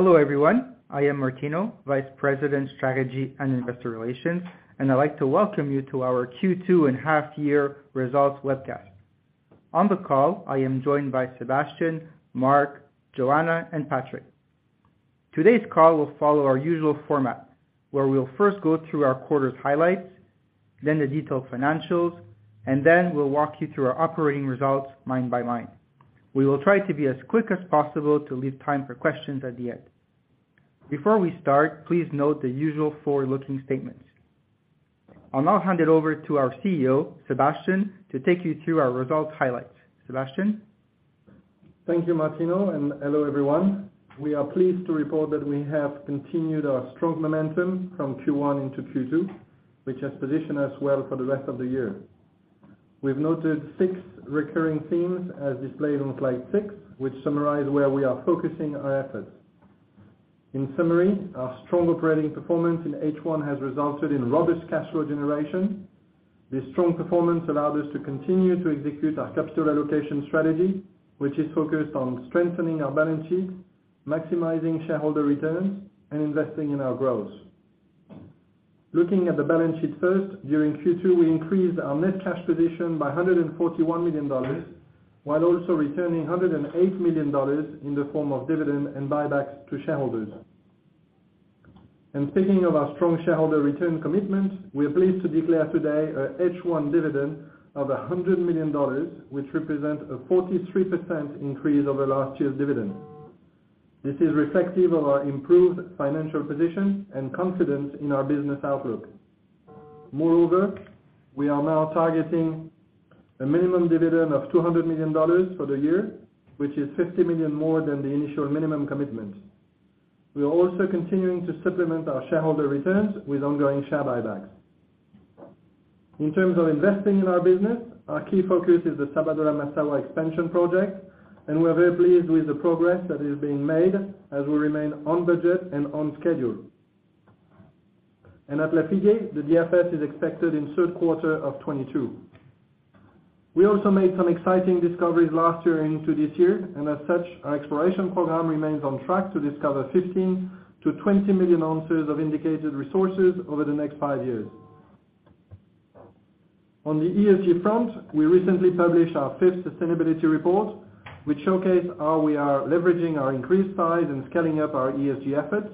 Hello everyone, I am Martino, Vice President, Strategy and Investor Relations. I'd like to welcome you to our Q2 and half year results webcast. On the call, I am joined by Sébastien, Mark, Joanna, and Patrick. Today's call will follow our usual format, where we'll first go through our quarter's highlights, then the detailed financials. Then we'll walk you through our operating results line by line. We will try to be as quick as possible to leave time for questions at the end. Before we start, please note the usual forward-looking statements. I'll now hand it over to our CEO, Sébastien, to take you through our results highlights. Sébastien? Thank you, Martino. Hello everyone. We are pleased to report that we have continued our strong momentum from Q1 into Q2, which has positioned us well for the rest of the year. We've noted six recurring themes as displayed on Slide six, which summarize where we are focusing our efforts. In summary, our strong operating performance in H1 has resulted in robust cash flow generation. This strong performance allowed us to continue to execute our capital allocation strategy, which is focused on strengthening our balance sheet, maximizing shareholder returns, and investing in our growth. Looking at the balance sheet first, during Q2, we increased our net cash position by $141 million, while also returning $108 million in the form of dividend and buybacks to shareholders. Speaking of our strong shareholder return commitment, we are pleased to declare today a H1 dividend of $100 million, which represent a 43% increase over last year's dividend. This is reflective of our improved financial position and confidence in our business outlook. Moreover, we are now targeting a minimum dividend of $200 million for the year, which is $50 million more than the initial minimum commitment. We are also continuing to supplement our shareholder returns with ongoing share buybacks. In terms of investing in our business, our key focus is the Nogbele-Massawa expansion project, we're very pleased with the progress that is being made as we remain on budget and on schedule. At Lafigué, the DFS is expected in third quarter of 2022. We also made some exciting discoveries last year into this year, as such, our exploration program remains on track to discover 15 million-20 million ounces of indicated resources over the next 5 years. On the ESG front, we recently published our fifth sustainability report, which showcase how we are leveraging our increased size and scaling up our ESG efforts.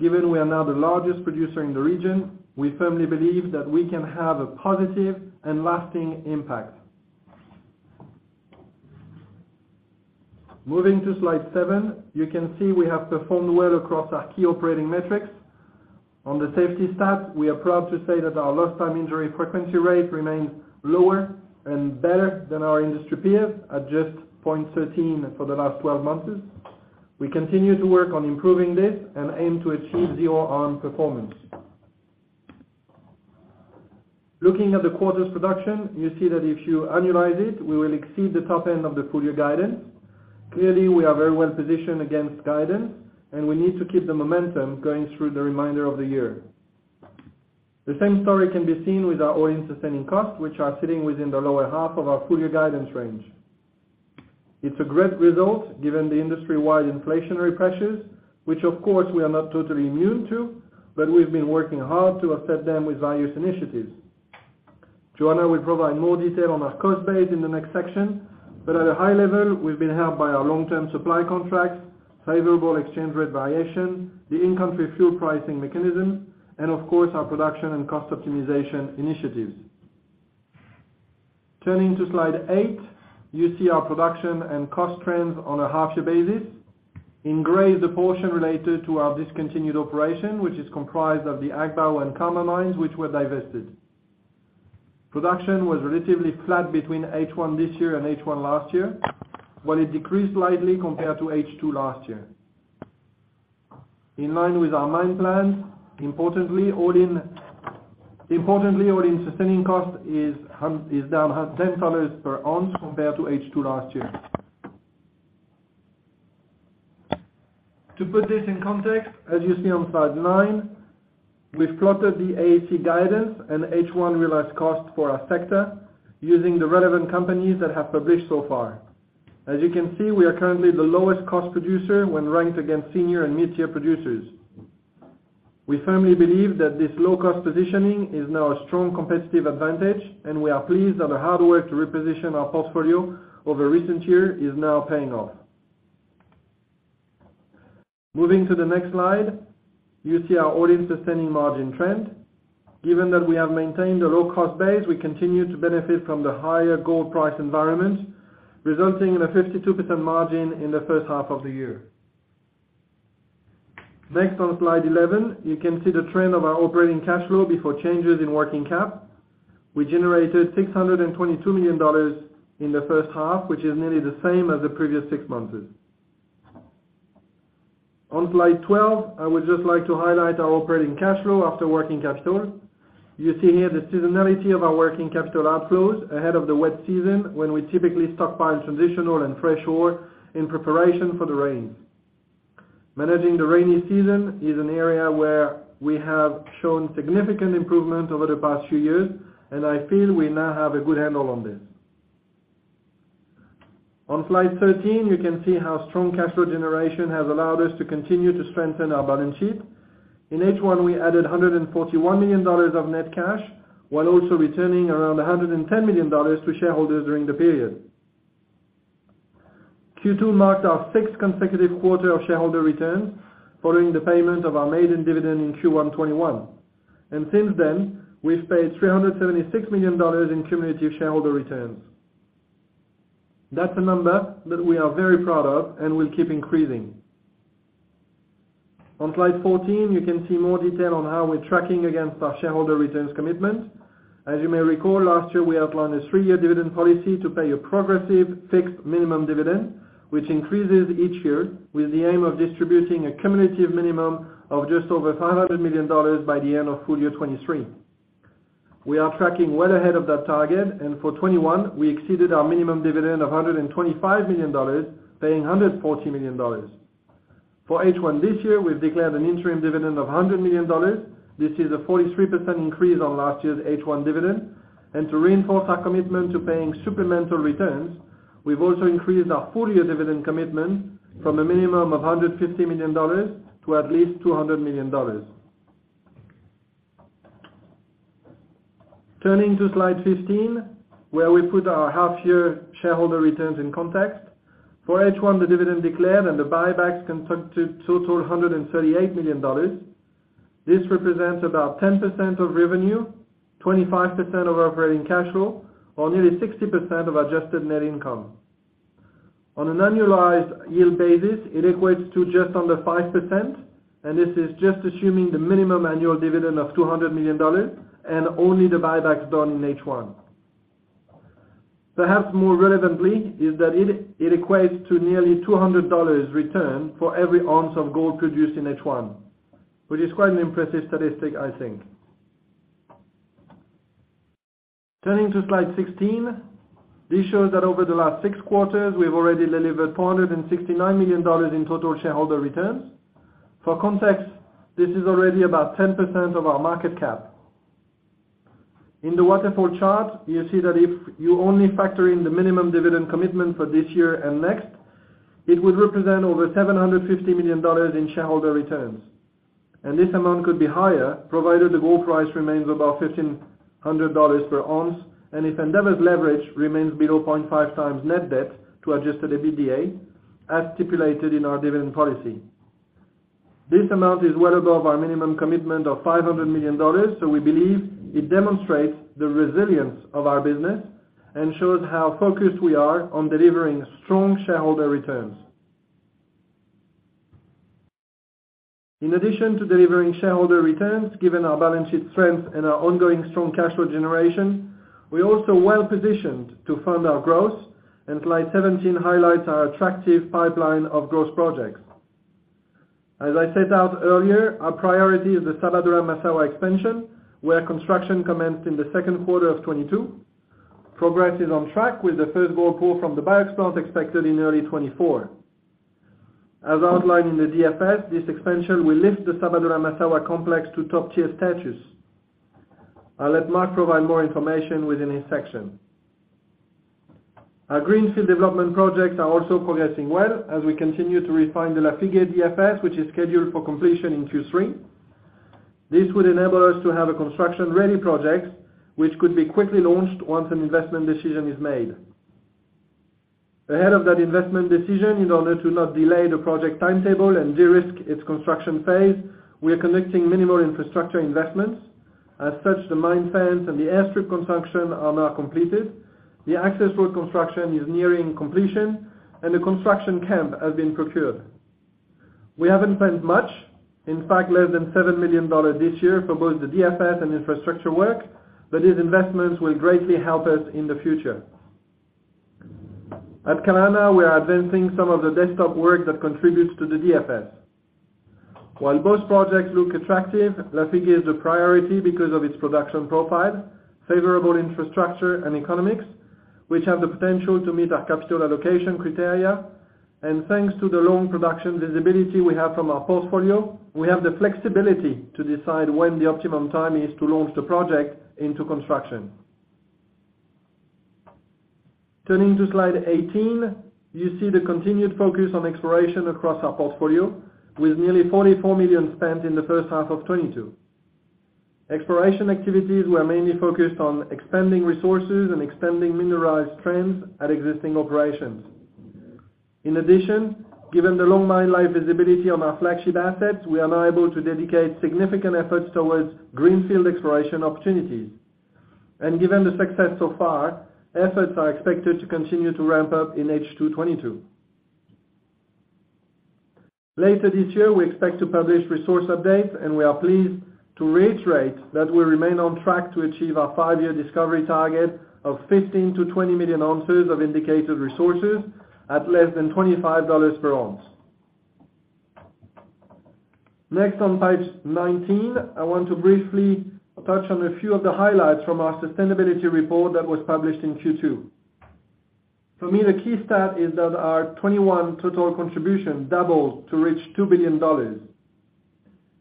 Given we are now the largest producer in the region, we firmly believe that we can have a positive and lasting impact. Moving to Slide seven, you can see we have performed well across our key operating metrics. On the safety stat, we are proud to say that our lost time injury frequency rate remains lower and better than our industry peers at just 0.13 for the last 12 months. We continue to work on improving this and aim to achieve zero arm performance. Looking at the quarter's production, you see that if you annualize it, we will exceed the top end of the full year guidance. Clearly, we are very well positioned against guidance, and we need to keep the momentum going through the remainder of the year. The same story can be seen with our All-In Sustaining Costs, which are sitting within the lower half of our full year guidance range. It's a great result, given the industry-wide inflationary pressures, which of course, we are not totally immune to, but we've been working hard to offset them with various initiatives. Joanna will provide more detail on our cost base in the next section, but at a high level, we've been helped by our long-term supply contracts, favorable exchange rate variation, the in-country fuel pricing mechanism, and of course, our production and cost optimization initiatives. Turning to Slide eight, you see our production and cost trends on a half year basis. In gray is the portion related to our discontinued operation, which is comprised of the Agbaou and Karma mines, which were divested. Production was relatively flat between H1 this year and H1 last year, while it decreased slightly compared to H2 last year. In line with our mine plan, importantly, all-in, importantly, All-In Sustaining Cost is down $10 per ounce compared to H2 last year. To put this in context, as you see on slide 9, we've plotted the AISC guidance and H1 realized cost for our sector using the relevant companies that have published so far. As you can see, we are currently the lowest cost producer when ranked against senior and mid-tier producers. We firmly believe that this low-cost positioning is now a strong competitive advantage, and we are pleased that the hard work to reposition our portfolio over recent year is now paying off. Moving to the next slide, you see our all-in sustaining margin trend. Given that we have maintained a low-cost base, we continue to benefit from the higher gold price environment, resulting in a 52% margin in the first half of the year. Next, on slide 11, you can see the trend of our operating cash flow before changes in working cap. We generated $622 million in the first half, which is nearly the same as the previous six months. On Slide 12, I would just like to highlight our operating cash flow after working capital. You see here the seasonality of our working capital outflows ahead of the wet season, when we typically stockpile transitional and fresh ore in preparation for the rain. Managing the rainy season is an area where we have shown significant improvement over the past few years, and I feel we now have a good handle on this. On Slide 13, you can see how strong cash flow generation has allowed us to continue to strengthen our balance sheet. In H1, we added $141 million of net cash, while also returning around $110 million to shareholders during the period. Q2 marked our sixth consecutive quarter of shareholder returns, following the payment of our maiden dividend in Q1 2021. Since then, we've paid $376 million in cumulative shareholder returns. That's a number that we are very proud of and will keep increasing. On Slide 14, you can see more detail on how we're tracking against our shareholder returns commitment. As you may recall, last year, we outlined a three-year dividend policy to pay a progressive fixed minimum dividend, which increases each year with the aim of distributing a cumulative minimum of just over $500 million by the end of full year 2023. We are tracking well ahead of that target. For 2021, we exceeded our minimum dividend of $125 million, paying $140 million. For H1 this year, we've declared an interim dividend of $100 million. This is a 43% increase on last year's H1 dividend, and to reinforce our commitment to paying supplemental returns, we've also increased our full year dividend commitment from a minimum of $150 million to at least $200 million. Turning to Slide 15, where we put our half year shareholder returns in context. For H1, the dividend declared and the buybacks conducted total $138 million. This represents about 10% of revenue, 25% of operating cash flow, or nearly 60% of adjusted net income. On an annualized yield basis, it equates to just under 5%, and this is just assuming the minimum annual dividend of $200 million and only the buybacks done in H1. Perhaps more relevantly, is that it, it equates to nearly $200 return for every ounce of gold produced in H1, which is quite an impressive statistic, I think. Turning to Slide 16, this shows that over the last six quarters, we've already delivered $469 million in total shareholder returns. For context, this is already about 10% of our market cap. In the waterfall chart, you see that if you only factor in the minimum dividend commitment for this year and next, it would represent over $750 million in shareholder returns. This amount could be higher, provided the gold price remains above $1,500 per ounce, and if Endeavour's leverage remains below 0.5 times net debt to Adjusted EBITDA, as stipulated in our dividend policy. This amount is well above our minimum commitment of $500 million, so we believe it demonstrates the resilience of our business and shows how focused we are on delivering strong shareholder returns. In addition to delivering shareholder returns, given our balance sheet strength and our ongoing strong cash flow generation, we're also well-positioned to fund our growth, and Slide 17 highlights our attractive pipeline of growth projects. As I set out earlier, our priority is the Nogbele-Massawa expansion, where construction commenced in the second quarter of 2022. Progress is on track with the first gold pour from the BIOX plant expected in early 2024. As outlined in the DFS, this expansion will lift the Nogbele-Massawa complex to top-tier status. I'll let Mark provide more information within his section. Our greenfield development projects are also progressing well, as we continue to refine the Lafigué DFS, which is scheduled for completion in Q3. This would enable us to have a construction-ready project, which could be quickly launched once an investment decision is made. Ahead of that investment decision, in order to not delay the project timetable and de-risk its construction phase, we are conducting minimal infrastructure investments. As such, the mine fence and the airstrip construction are now completed, the access road construction is nearing completion, and the construction camp has been procured. We haven't spent much, in fact, less than $7 million this year for both the DFS and infrastructure work, but these investments will greatly help us in the future. At Kalana, we are advancing some of the desktop work that contributes to the DFS. While both projects look attractive, Lafigué is a priority because of its production profile, favorable infrastructure and economics, which have the potential to meet our capital allocation criteria. Thanks to the long production visibility we have from our portfolio, we have the flexibility to decide when the optimum time is to launch the project into construction. Turning to Slide 18, you see the continued focus on exploration across our portfolio, with nearly $44 million spent in the first half of 2022. Exploration activities were mainly focused on expanding resources and expanding mineralized trends at existing operations. In addition, given the long mine life visibility on our flagship assets, we are now able to dedicate significant efforts towards greenfield exploration opportunities. Given the success so far, efforts are expected to continue to ramp up in H2 2022. Later this year, we expect to publish resource updates, and we are pleased to reiterate that we remain on track to achieve our five-year discovery target of 15-20 million ounces of indicated resources at less than $25 per ounce. Next, on page 19, I want to briefly touch on a few of the highlights from our sustainability report that was published in Q2. For me, the key stat is that our 2021 total contribution doubled to reach $2 billion.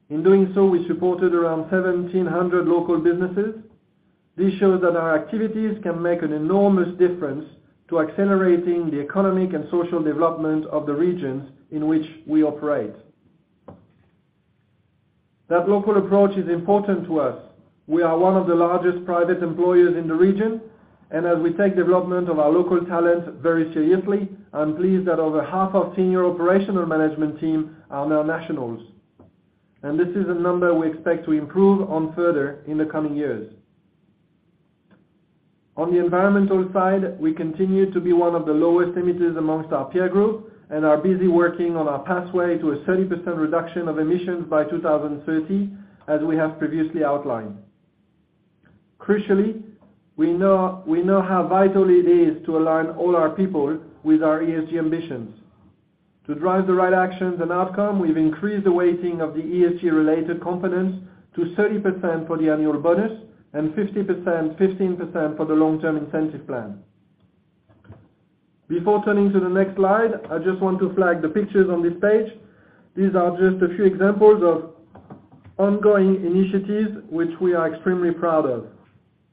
In doing so, we supported around 1,700 local businesses. This shows that our activities can make an enormous difference to accelerating the economic and social development of the regions in which we operate. That local approach is important to us. We are one of the largest private employers in the region, and as we take development of our local talent very seriously, I'm pleased that over half of senior operational management team are now nationals, and this is a number we expect to improve on further in the coming years. On the environmental side, we continue to be one of the lowest emitters amongst our peer group, and are busy working on our pathway to a 30% reduction of emissions by 2030, as we have previously outlined. Crucially, we know, we know how vital it is to align all our people with our ESG ambitions. To drive the right actions and outcome, we've increased the weighting of the ESG related components to 30% for the annual bonus and 15% for the long-term incentive plan. Before turning to the next slide, I just want to flag the pictures on this page. These are just a few examples of ongoing initiatives which we are extremely proud of.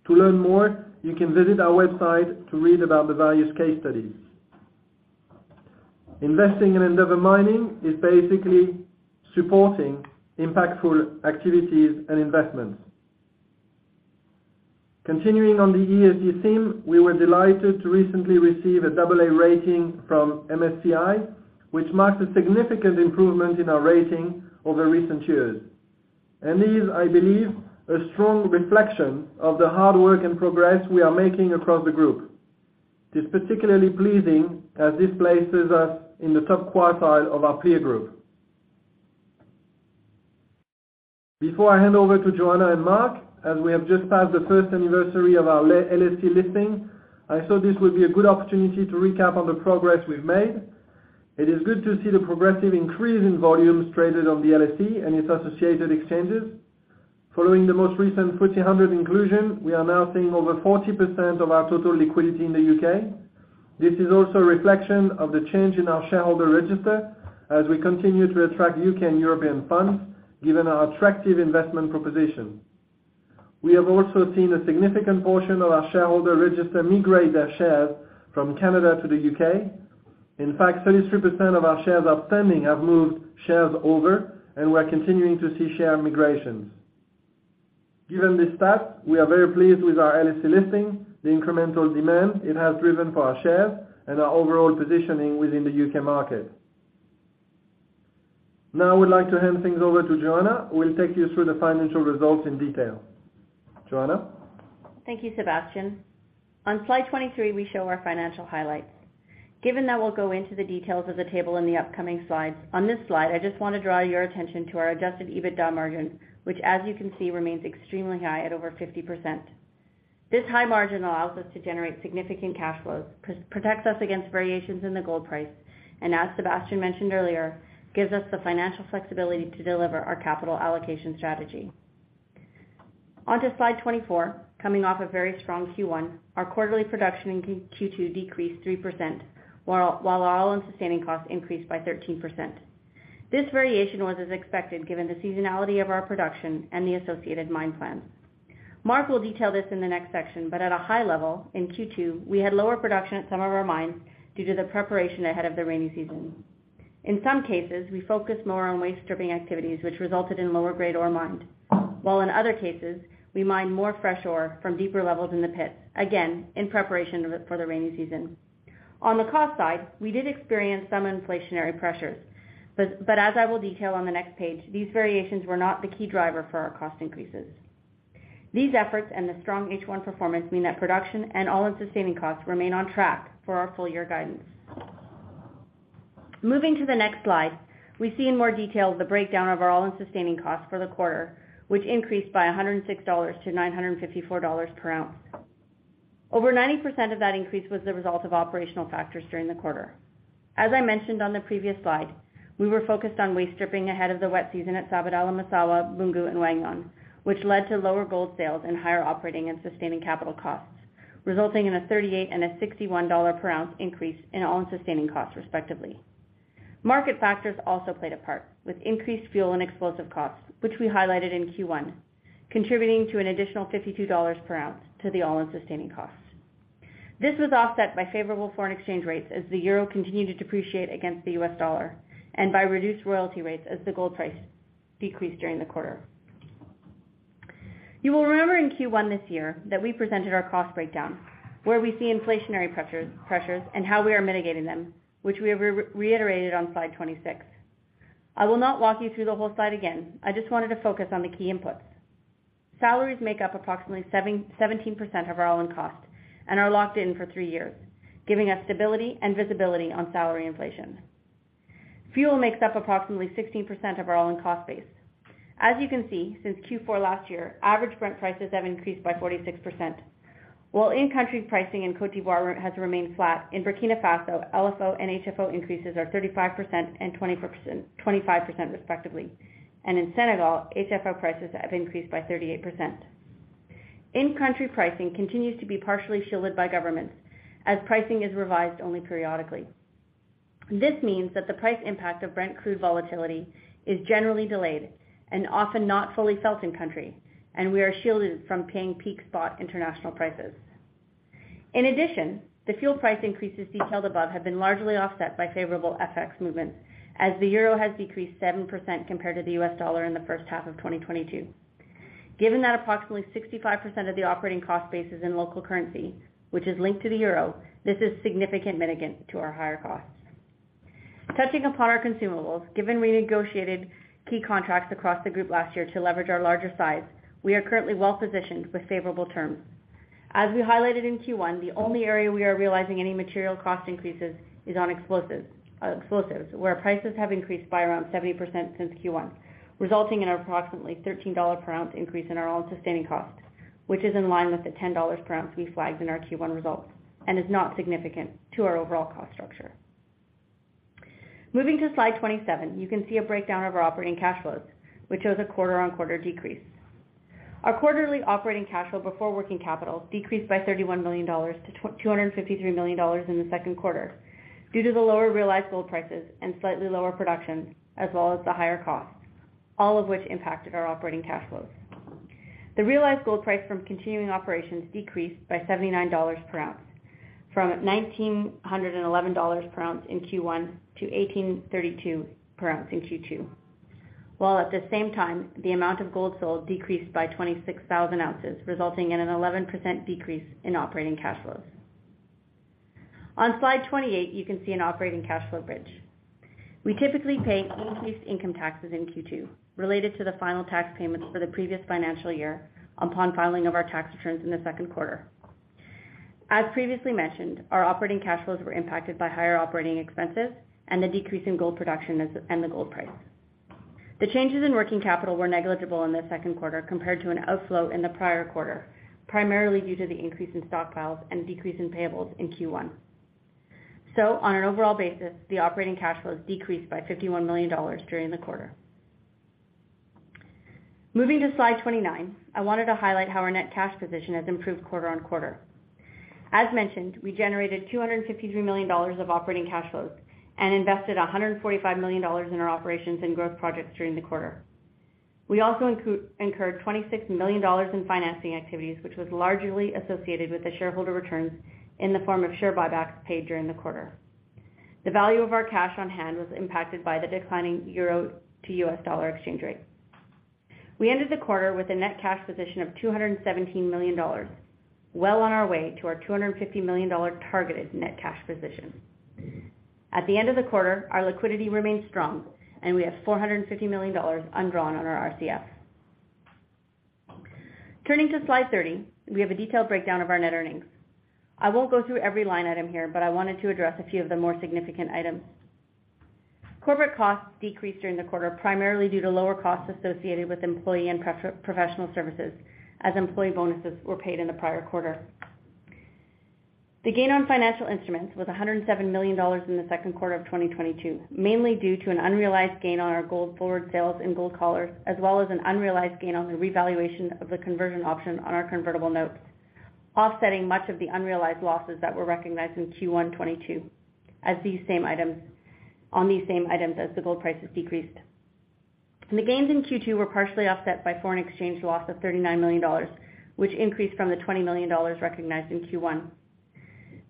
To learn more, you can visit our website to read about the various case studies. Investing in Endeavour Mining is basically supporting impactful activities and investments. Continuing on the ESG theme, we were delighted to recently receive a double A rating from MSCI, which marks a significant improvement in our rating over recent years. Is, I believe, a strong reflection of the hard work and progress we are making across the group. It's particularly pleasing as this places us in the top quartile of our peer group. Before I hand over to Joanna and Mark, as we have just passed the first anniversary of our LSE listing, I thought this would be a good opportunity to recap on the progress we've made. It is good to see the progressive increase in volumes traded on the LSE and its associated exchanges. Following the most recent FTSE 100 inclusion, we are now seeing over 40% of our total liquidity in the U.K. This is also a reflection of the change in our shareholder register, as we continue to attract U.K. and European funds, given our attractive investment proposition. We have also seen a significant portion of our shareholder register migrate their shares from Canada to the U.K. In fact, 33% of our shares outstanding have moved shares over, and we're continuing to see share migrations. Given this stat, we are very pleased with our LSE listing, the incremental demand it has driven for our shares, and our overall positioning within the U.K. market. I would like to hand things over to Joanna, who will take you through the financial results in detail. Joanna? Thank you, Sébastien. On Slide 23, we show our financial highlights. Given that we'll go into the details of the table in the upcoming slides, on this slide, I just want to draw your attention to our Adjusted EBITDA margin, which, as you can see, remains extremely high at over 50%. This high margin allows us to generate significant cash flows, protects us against variations in the gold price, and as Sébastien mentioned earlier, gives us the financial flexibility to deliver our capital allocation strategy. Onto Slide 24, coming off a very strong Q1, our quarterly production in Q2 decreased 3%, while All-In Sustaining Costs increased by 13%. This variation was as expected, given the seasonality of our production and the associated mine plans. Mark will detail this in the next section, at a high level, in Q2, we had lower production at some of our mines due to the preparation ahead of the rainy season. In some cases, we focused more on waste stripping activities, which resulted in lower grade ore mined, while in other cases, we mined more fresh ore from deeper levels in the pits, again, in preparation for the rainy season. On the cost side, we did experience some inflationary pressures, but as I will detail on the next page, these variations were not the key driver for our cost increases. These efforts and the strong H1 performance mean that production and All-In Sustaining Costs remain on track for our full year guidance. Moving to the next slide, we see in more detail the breakdown of our All-In Sustaining Costs for the quarter, which increased by $106 to $954 per ounce. Over 90% of that increase was the result of operational factors during the quarter. As I mentioned on the previous slide, we were focused on waste stripping ahead of the wet season at Nogbele, Massawa, Boungou, and Wahgnion, which led to lower gold sales and higher operating and sustaining capital costs, resulting in a $38 and a $61 per ounce increase in All-In Sustaining Costs, respectively. Market factors also played a part, with increased fuel and explosive costs, which we highlighted in Q1, contributing to an additional $52 per ounce to the All-In Sustaining Costs. This was offset by favorable foreign exchange rates as the euro continued to depreciate against the US dollar, and by reduced royalty rates as the gold price decreased during the quarter. You will remember in Q1 this year that we presented our cost breakdown, where we see inflationary pressures and how we are mitigating them, which we have reiterated on slide 26. I will not walk you through the whole slide again. I just wanted to focus on the key inputs. Salaries make up approximately 17% of our all-in costs and are locked in for 3 years, giving us stability and visibility on salary inflation. Fuel makes up approximately 16% of our all-in cost base. As you can see, since Q4 last year, average Brent prices have increased by 46%. While in-country pricing in Cote d'Ivoire has remained flat, in Burkina Faso, LFO and HFO increases are 35% and 25% respectively, and in Senegal, HFO prices have increased by 38%. In-country pricing continues to be partially shielded by governments, as pricing is revised only periodically. This means that the price impact of Brent Crude volatility is generally delayed and often not fully felt in country, and we are shielded from paying peak spot international prices. In addition, the fuel price increases detailed above have been largely offset by favorable FX movements, as the euro has decreased 7% compared to the US dollar in the first half of 2022. Given that approximately 65% of the operating cost base is in local currency, which is linked to the euro, this is significant mitigant to our higher costs. Touching upon our consumables, given renegotiated key contracts across the group last year to leverage our larger size, we are currently well positioned with favorable terms. As we highlighted in Q1, the only area we are realizing any material cost increases is on explosives, explosives, where prices have increased by around 70% since Q1, resulting in approximately $13 per ounce increase in our All-In Sustaining Costs, which is in line with the $10 per ounce we flagged in our Q1 results, is not significant to our overall cost structure. Moving to Slide 27, you can see a breakdown of our operating cash flows, which shows a quarter-on-quarter decrease. Our quarterly operating cash flow before working capital decreased by $31 million to $253 million in the second quarter, due to the lower realized gold prices and slightly lower production, as well as the higher costs, all of which impacted our operating cash flows. The realized gold price from continuing operations decreased by $79 per ounce, from $1,911 per ounce in Q1 to $1,832 per ounce in Q2, while at the same time, the amount of gold sold decreased by 26,000 ounces, resulting in an 11% decrease in operating cash flows. On slide 28, you can see an operating cash flow bridge. We typically pay increased income taxes in Q2, related to the final tax payments for the previous financial year upon filing of our tax returns in the second quarter. As previously mentioned, our operating cash flows were impacted by higher operating expenses and the decrease in gold production and the gold price. The changes in working capital were negligible in the second quarter compared to an outflow in the prior quarter, primarily due to the increase in stockpiles and decrease in payables in Q1. On an overall basis, the operating cash flows decreased by $51 million during the quarter. Moving to Slide 29, I wanted to highlight how our net cash position has improved quarter on quarter. As mentioned, we generated $253 million of operating cash flows and invested $145 million in our operations and growth projects during the quarter. We also incurred $26 million in financing activities, which was largely associated with the shareholder returns in the form of share buybacks paid during the quarter. The value of our cash on hand was impacted by the declining euro to US dollar exchange rate. We ended the quarter with a net cash position of $217 million, well on our way to our $250 million targeted net cash position. At the end of the quarter, our liquidity remains strong, and we have $450 million undrawn on our RCF. Turning to Slide 30, we have a detailed breakdown of our net earnings. I won't go through every line item here, but I wanted to address a few of the more significant items. Corporate costs decreased during the quarter, primarily due to lower costs associated with employee and professional services, as employee bonuses were paid in the prior quarter. The gain on financial instruments was $107 million in the second quarter of 2022, mainly due to an unrealized gain on our gold forward sales and gold collars, as well as an unrealized gain on the revaluation of the conversion option on our convertible notes, offsetting much of the unrealized losses that were recognized in Q1 2022 on these same items as the gold prices decreased. The gains in Q2 were partially offset by foreign exchange loss of $39 million, which increased from the $20 million recognized in Q1.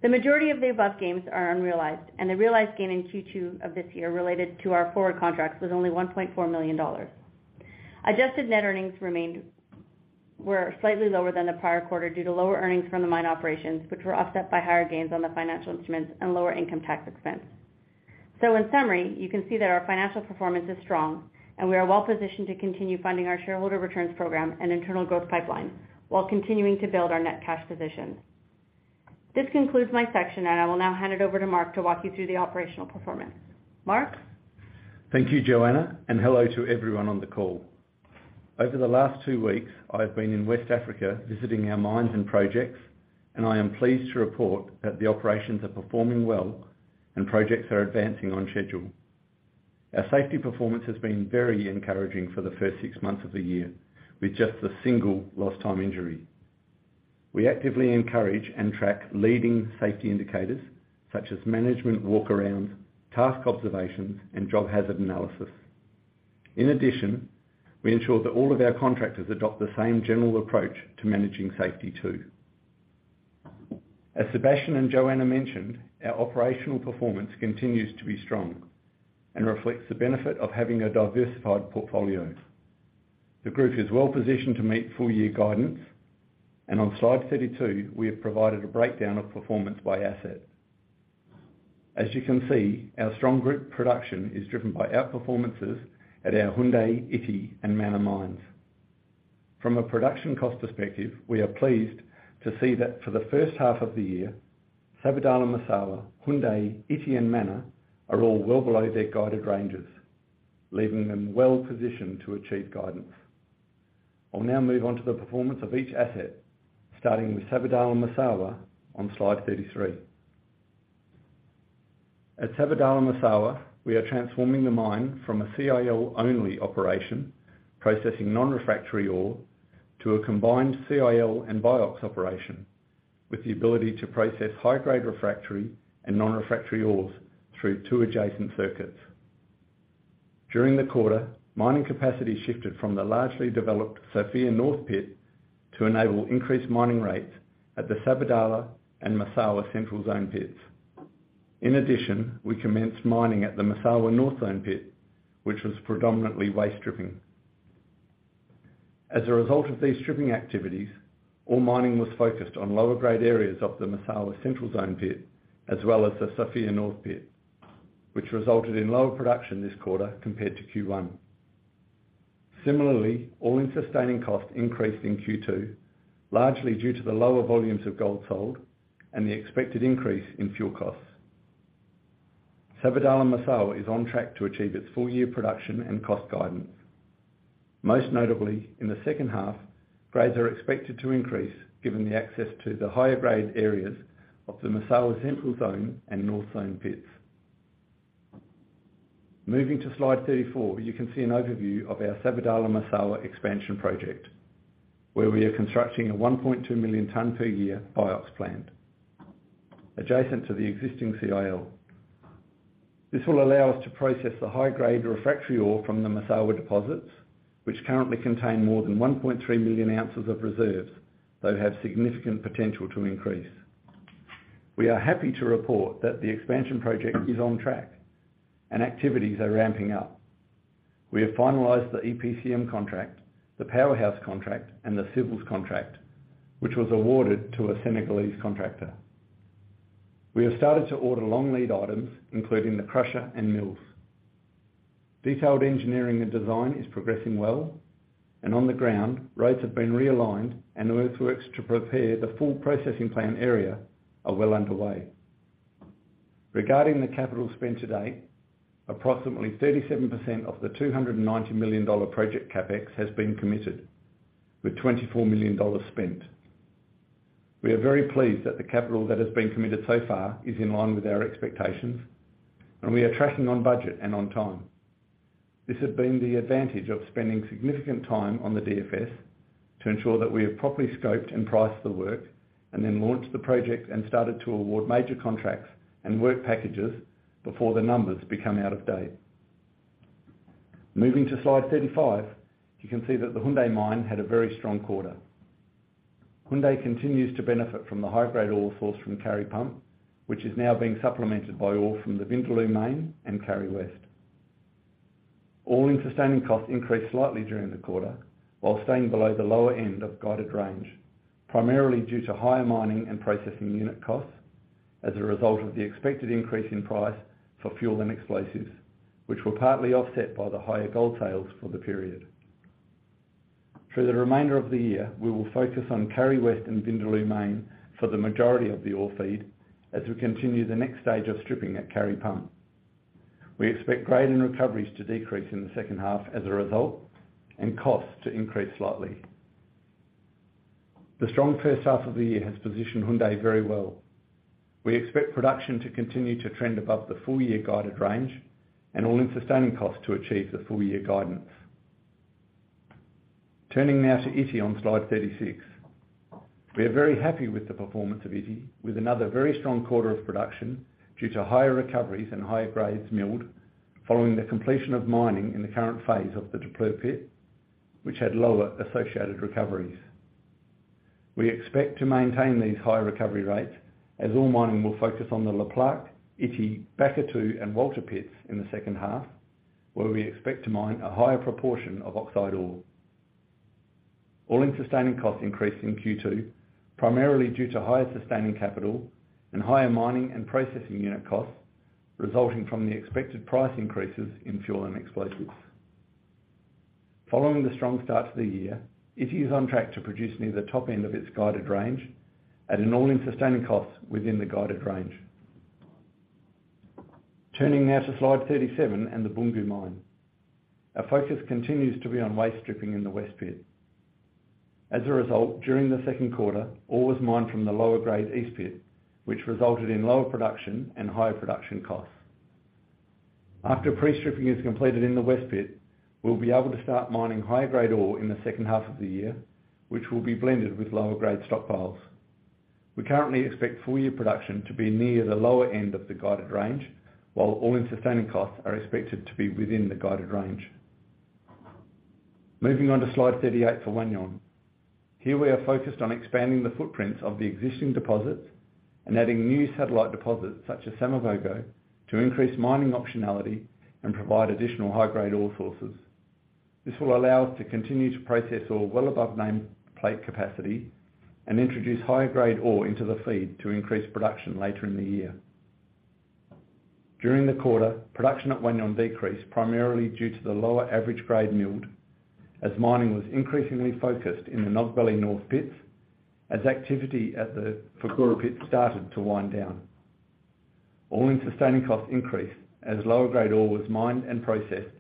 The majority of the above gains are unrealized, and the realized gain in Q2 of this year related to our forward contracts was only $1.4 million. Adjusted net earnings were slightly lower than the prior quarter due to lower earnings from the mine operations, which were offset by higher gains on the financial instruments and lower income tax expense. In summary, you can see that our financial performance is strong, and we are well positioned to continue funding our shareholder returns program and internal growth pipeline, while continuing to build our net cash position. This concludes my section, and I will now hand it over to Mark to walk you through the operational performance. Mark? Thank you, Joanna, and hello to everyone on the call. Over the last two weeks, I've been in West Africa, visiting our mines and projects, and I am pleased to report that the operations are performing well and projects are advancing on schedule. Our safety performance has been very encouraging for the first six months of the year, with just a single lost time injury. We actively encourage and track leading safety indicators, such as management walkarounds, task observations, and job hazard analysis. In addition, we ensure that all of our contractors adopt the same general approach to managing safety, too. As Sébastien and Joanna mentioned, our operational performance continues to be strong and reflects the benefit of having a diversified portfolio. The group is well positioned to meet full year guidance. On Slide 32, we have provided a breakdown of performance by asset. As you can see, our strong group production is driven by outperformances at our Houndé, Ity, and Mana mines. From a production cost perspective, we are pleased to see that for the first half of the year, Nogbele-Massawa, Houndé, Ity, and Mana are all well below their guided ranges, leaving them well positioned to achieve guidance. I'll now move on to the performance of each asset, starting with Nogbele-Massawa on Slide 33. At Nogbele-Massawa, we are transforming the mine from a CIL-only operation, processing non-refractory ore, to a combined CIL and BIOX operation, with the ability to process high-grade refractory and non-refractory ores through two adjacent circuits. During the quarter, mining capacity shifted from the largely developed Sofia North pit to enable increased mining rates at the Nogbele and Massawa central zone pits. In addition, we commenced mining at the Massawa North Zone pit, which was predominantly waste stripping. As a result of these stripping activities, all mining was focused on lower-grade areas of the Massawa central zone pit, as well as the Sofia North pit, which resulted in lower production this quarter compared to Q1. Similarly, All-In Sustaining Costs increased in Q2, largely due to the lower volumes of gold sold and the expected increase in fuel costs. Nogbele-Massawa is on track to achieve its full-year production and cost guidance. Most notably, in the second half, grades are expected to increase given the access to the higher-grade areas of the Massawa central zone and North Zone pits. Moving to Slide 34, you can see an overview of our Nogbele-Massawa expansion project, where we are constructing a 1.2 million ton per year BIOX plant, adjacent to the existing CIL. This will allow us to process the high-grade refractory ore from the Massawa deposits, which currently contain more than 1.3 million ounces of reserves, that have significant potential to increase. We are happy to report that the expansion project is on track, and activities are ramping up. We have finalized the EPCM contract, the powerhouse contract, and the civils contract, which was awarded to a Senegalese contractor. We have started to order long-lead items, including the crusher and mills. Detailed engineering and design is progressing well, and on the ground, roads have been realigned, and earthworks to prepare the full processing plant area are well underway. Regarding the capital spent to date, approximately 37% of the $290 million project CapEx has been committed, with $24 million spent. We are very pleased that the capital that has been committed so far is in line with our expectations, and we are tracking on budget and on time. This has been the advantage of spending significant time on the DFS to ensure that we have properly scoped and priced the work, and then launched the project and started to award major contracts and work packages before the numbers become out of date. Moving to Slide 35, you can see that the Houndé mine had a very strong quarter. Houndé continues to benefit from the high-grade ore source from Kari Pump, which is now being supplemented by ore from the Vindaloo Main and Kari West. All-In Sustaining Costs increased slightly during the quarter, while staying below the lower end of guided range, primarily due to higher mining and processing unit costs as a result of the expected increase in price for fuel and explosives, which were partly offset by the higher gold sales for the period. Through the remainder of the year, we will focus on Kari West and Vindaloo Main for the majority of the ore feed as we continue the next stage of stripping at Kari Pump. We expect grade and recoveries to decrease in the second half as a result, and costs to increase slightly. The strong first half of the year has positioned Houndé very well. We expect production to continue to trend above the full-year guided range, and All-In Sustaining Costs to achieve the full-year guidance. Turning now to Ity on Slide 36. We are very happy with the performance of Ity, with another very strong quarter of production due to higher recoveries and higher grades milled, following the completion of mining in the current phase of the Daapleu pit, which had lower associated recoveries. We expect to maintain these high recovery rates as all mining will focus on the Le Plaque, Ity, Bakatouo, and Walter pits in the second half, where we expect to mine a higher proportion of oxide ore. All-In Sustaining Costs increased in Q2, primarily due to higher sustaining capital and higher mining and processing unit costs, resulting from the expected price increases in fuel and explosives. Following the strong start to the year, Ity is on track to produce near the top end of its guided range at an All-In Sustaining Cost within the guided range. Turning now to Slide 37 and the Boungou mine. Our focus continues to be on waste stripping in the West pit. As a result, during the second quarter, ore was mined from the lower-grade East pit, which resulted in lower production and higher production costs. After pre-stripping is completed in the West pit, we'll be able to start mining higher-grade ore in the second half of the year, which will be blended with lower-grade stockpiles. We currently expect full-year production to be near the lower end of the guided range, while All-In Sustaining Costs are expected to be within the guided range. Moving on to slide 38 for Wahgnion. Here, we are focused on expanding the footprints of the existing deposits and adding new satellite deposits, such as Samavogo, to increase mining optionality and provide additional high-grade ore sources. This will allow us to continue to process ore well above nameplate capacity and introduce higher-grade ore into the feed to increase production later in the year. During the quarter, production at Wendyam decreased, primarily due to the lower average grade milled, as mining was increasingly focused in the Nogbele North pits, as activity at the Fourkoura pit started to wind down. All-In Sustaining Costs increased, as lower-grade ore was mined and processed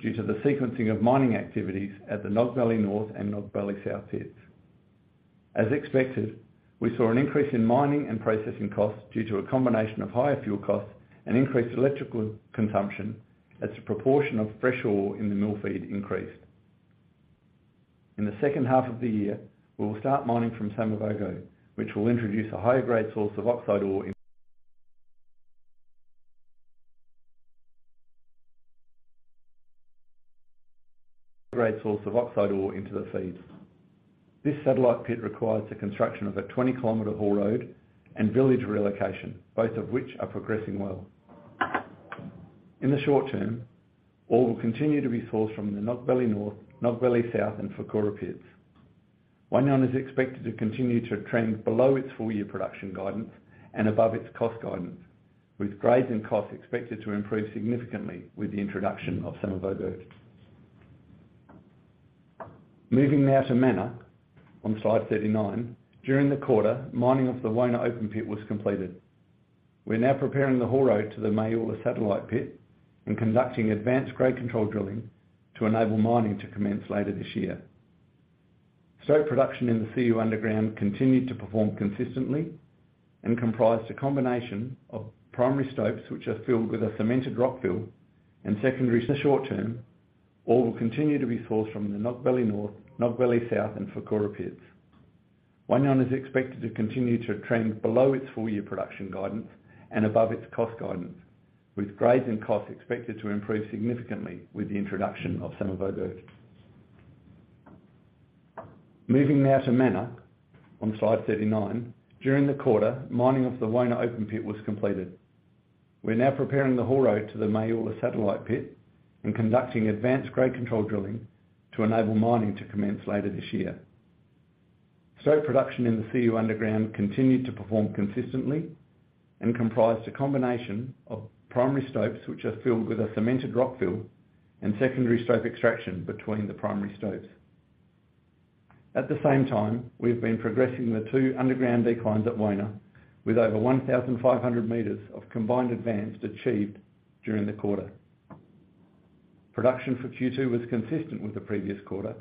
due to the sequencing of mining activities at the Nogbele North and Nogbele South pits. As expected, we saw an increase in mining and processing costs due to a combination of higher fuel costs and increased electrical consumption, as the proportion of fresh ore in the mill feed increased. In the second half of the year, we will start mining from Samavogo, which will introduce a higher grade source of oxide ore great source of oxide ore into the feed. This satellite pit requires the construction of a 20-kilometer haul road and village relocation, both of which are progressing well. In the short term, ore will continue to be sourced from the Nogbele North, Nogbele South, and Fourkoura pits. Wahgnion is expected to continue to trend below its full-year production guidance and above its cost guidance, with grades and costs expected to improve significantly with the introduction of some of our goods. Moving now to Mana, on slide 39. During the quarter, mining of the Wona open pit was completed. We're now preparing the haul road to the Maoula satellite pit and conducting advanced grade control drilling to enable mining to commence later this year. Stope production in the Siou underground continued to perform consistently and comprised a combination of primary stopes, which are filled with a cemented rock fill and secondary. In the short term, ore will continue to be sourced from the Nogbele North, Nogbele South, and Fourkoura pits. Wahgnion is expected to continue to trend below its full-year production guidance and above its cost guidance, with grades and costs expected to improve significantly with the introduction of some of our goods. Moving now to Mana, on slide 39. During the quarter, mining of the Wona open pit was completed. We're now preparing the haul road to the Maoula satellite pit and conducting advanced grade control drilling to enable mining to commence later this year. Stope production in the Siou underground continued to perform consistently and comprised a combination of primary stopes, which are filled with a cemented rock fill, and secondary stope extraction between the primary stopes. At the same time, we've been progressing the two underground declines at Wona, with over 1,500 meters of combined advance achieved during the quarter. Production for Q2 was consistent with the previous quarter,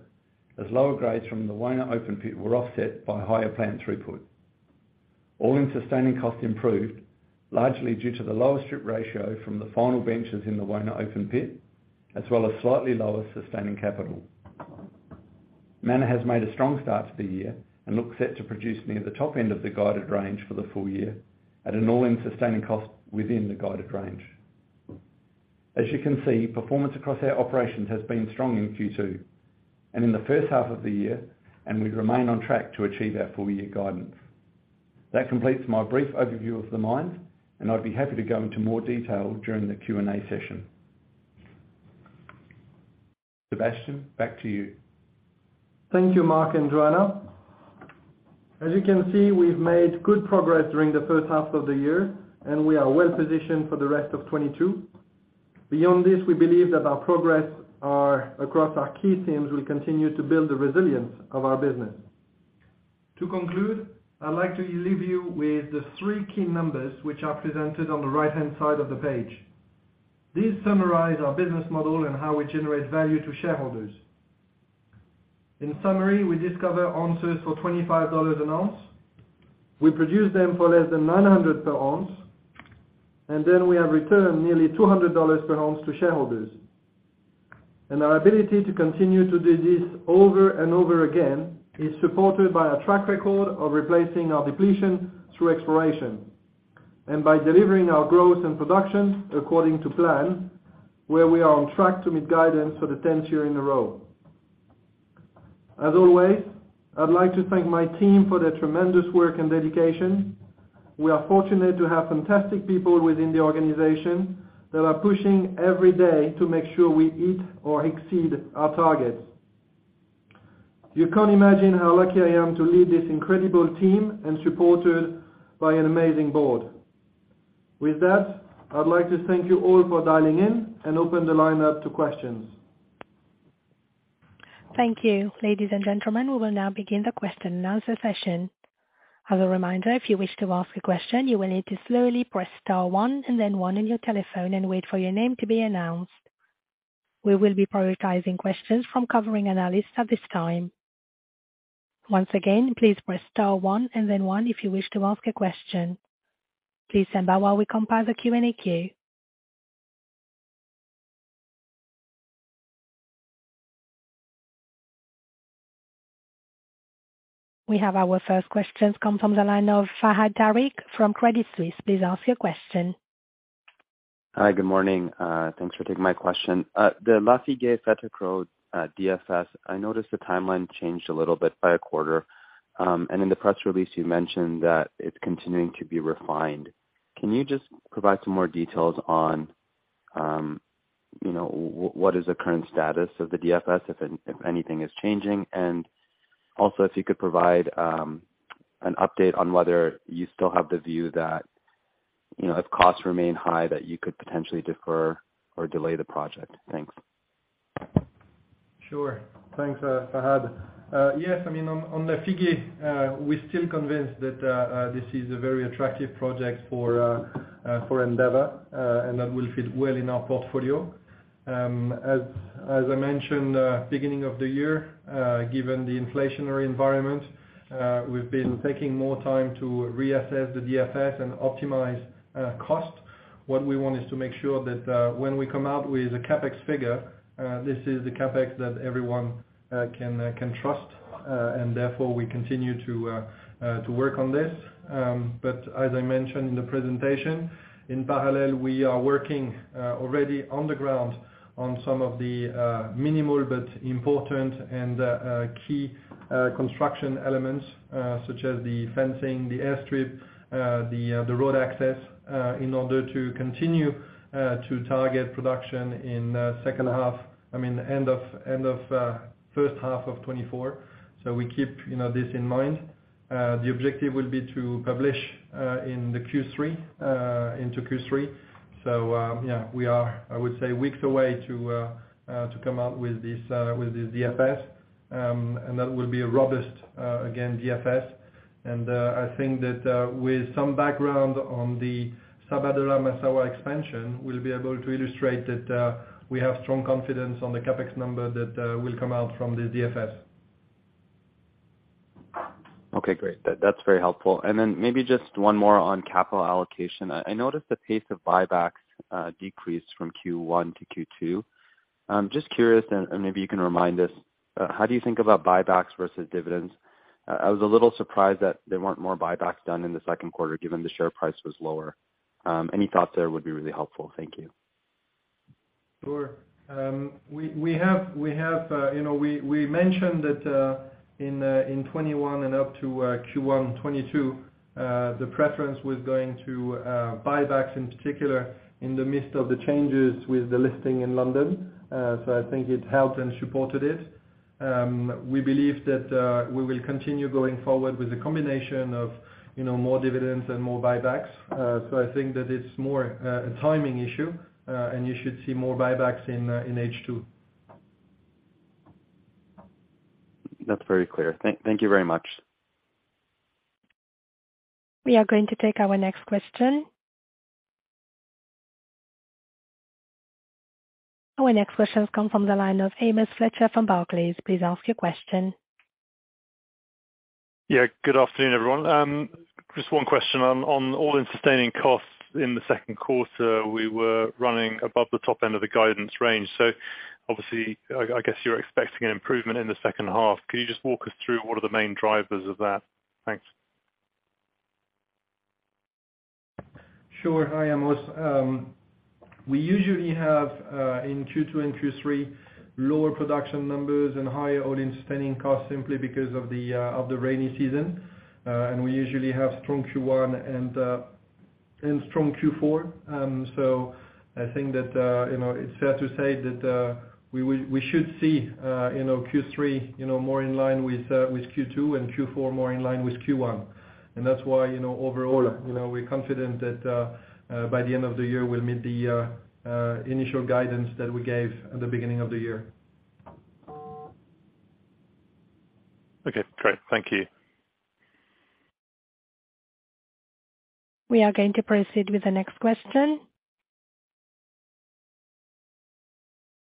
as lower grades from the Wona open pit were offset by higher plant throughput. All-In Sustaining Costs improved, largely due to the lower strip ratio from the final benches in the Wona open pit, as well as slightly lower sustaining capital. Mana has made a strong start to the year and looks set to produce near the top end of the guided range for the full year at an All-In Sustaining Costs within the guided range. As you can see, performance across our operations has been strong in Q2 and in the first half of the year. We remain on track to achieve our full-year guidance. That completes my brief overview of the mine. I'd be happy to go into more detail during the Q&A session. Sébastien, back to you. Thank you, Mark and Joanna. As you can see, we've made good progress during the first half of the year, and we are well positioned for the rest of 2022. Beyond this, we believe that our progress are across our key teams will continue to build the resilience of our business. To conclude, I'd like to leave you with the three key numbers, which are presented on the right-hand side of the page. These summarize our business model and how we generate value to shareholders. In summary, we discover ounces for $25 an ounce. We produce them for less than 900 per ounce, and then we have returned nearly $200 per ounce to shareholders. Our ability to continue to do this over and over again is supported by a track record of replacing our depletion through exploration. By delivering our growth and production according to plan, where we are on track to meet guidance for the 10th year in a row. As always, I'd like to thank my team for their tremendous work and dedication. We are fortunate to have fantastic people within the organization that are pushing every day to make sure we hit or exceed our targets. You can't imagine how lucky I am to lead this incredible team and supported by an amazing board. With that, I'd like to thank you all for dialing in and open the line up to questions. Thank you. Ladies and gentlemen, we will now begin the question and answer session. As a reminder, if you wish to ask a question, you will need to slowly press star one and then one on your telephone and wait for your name to be announced. We will be prioritizing questions from covering analysts at this time. Once again, please press star one and then one if you wish to ask a question. Please stand by while we compile the Q&A queue. We have our first questions come from the line of Fahad Tariq from Credit Suisse. Please ask your question. Hi, good morning. Thanks for taking my question. The Lafigué Lafigué DFS, I noticed the timeline changed a little bit by a quarter. In the press release, you mentioned that it's continuing to be refined. Can you just provide some more details on, you know, what is the current status of the DFS, if anything is changing? Also, if you could provide an update on whether you still have the view that, you know, if costs remain high, that you could potentially defer or delay the project. Thanks. Sure. Thanks, Fahad. Yes, I mean, on, on the Lafigué, we're still convinced that this is a very attractive project for Endeavour, and that will fit well in our portfolio. As, as I mentioned, beginning of the year, given the inflationary environment, we've been taking more time to reassess the DFS and optimize cost. What we want is to make sure that when we come out with a CapEx figure, this is the CapEx that everyone can trust, and therefore we continue to work on this. I had mentioned in the presentation, in parallel, we are working already on the ground on some of the minimal but important and key construction elements, such as the fencing, the airstrip, the road access, in order to continue to target production in second half, end of first half of 2024. We keep, you know, this in mind. The objective will be to publish in the Q3, into Q3. Yeah, we are, I would say, weeks away to come out with this with the DFS, and that will be a robust, again, DFS. I think that, with some background on the Nogbele Massawa expansion, we'll be able to illustrate that, we have strong confidence on the CapEx number that, will come out from the DFS. Okay, great. That, that's very helpful. Then maybe just one more on capital allocation. I, I noticed the pace of buybacks, decreased from Q1 to Q2. I'm just curious, and, and maybe you can remind us, how do you think about buybacks versus dividends? I was a little surprised that there weren't more buybacks done in the second quarter, given the share price was lower. Any thought there would be really helpful. Thank you. Sure. We have, you know, we mentioned that in 2021 and up to Q1 2022, the preference was going to buybacks, in particular, in the midst of the changes with the listing in London. I think it helped and supported it. We believe that we will continue going forward with a combination of, you know, more dividends and more buybacks. I think that it's more a timing issue, and you should see more buybacks in H2. That's very clear. Thank, thank you very much. We are going to take our next question. Our next question has come from the line of Amos Fletcher from Barclays. Please ask your question. Yeah, good afternoon, everyone. just one question on, on All-In Sustaining Costs in the 2Q, we were running above the top end of the guidance range, so obviously, I, I guess you're expecting an improvement in the 2H. Could you just walk us through what are the main drivers of that? Thanks. Sure. Hi, Amos. We usually have in Q2 and Q3, lower production numbers and higher all-in spending costs simply because of the rainy season. We usually have strong Q1 and strong Q4. I think that, you know, it's fair to say that we should see, you know, Q3, you know, more in line with Q2, and Q4 more in line with Q1. That's why, you know, overall, you know, we're confident that by the end of the year, we'll meet the initial guidance that we gave at the beginning of the year. Okay, great. Thank you. We are going to proceed with the next question.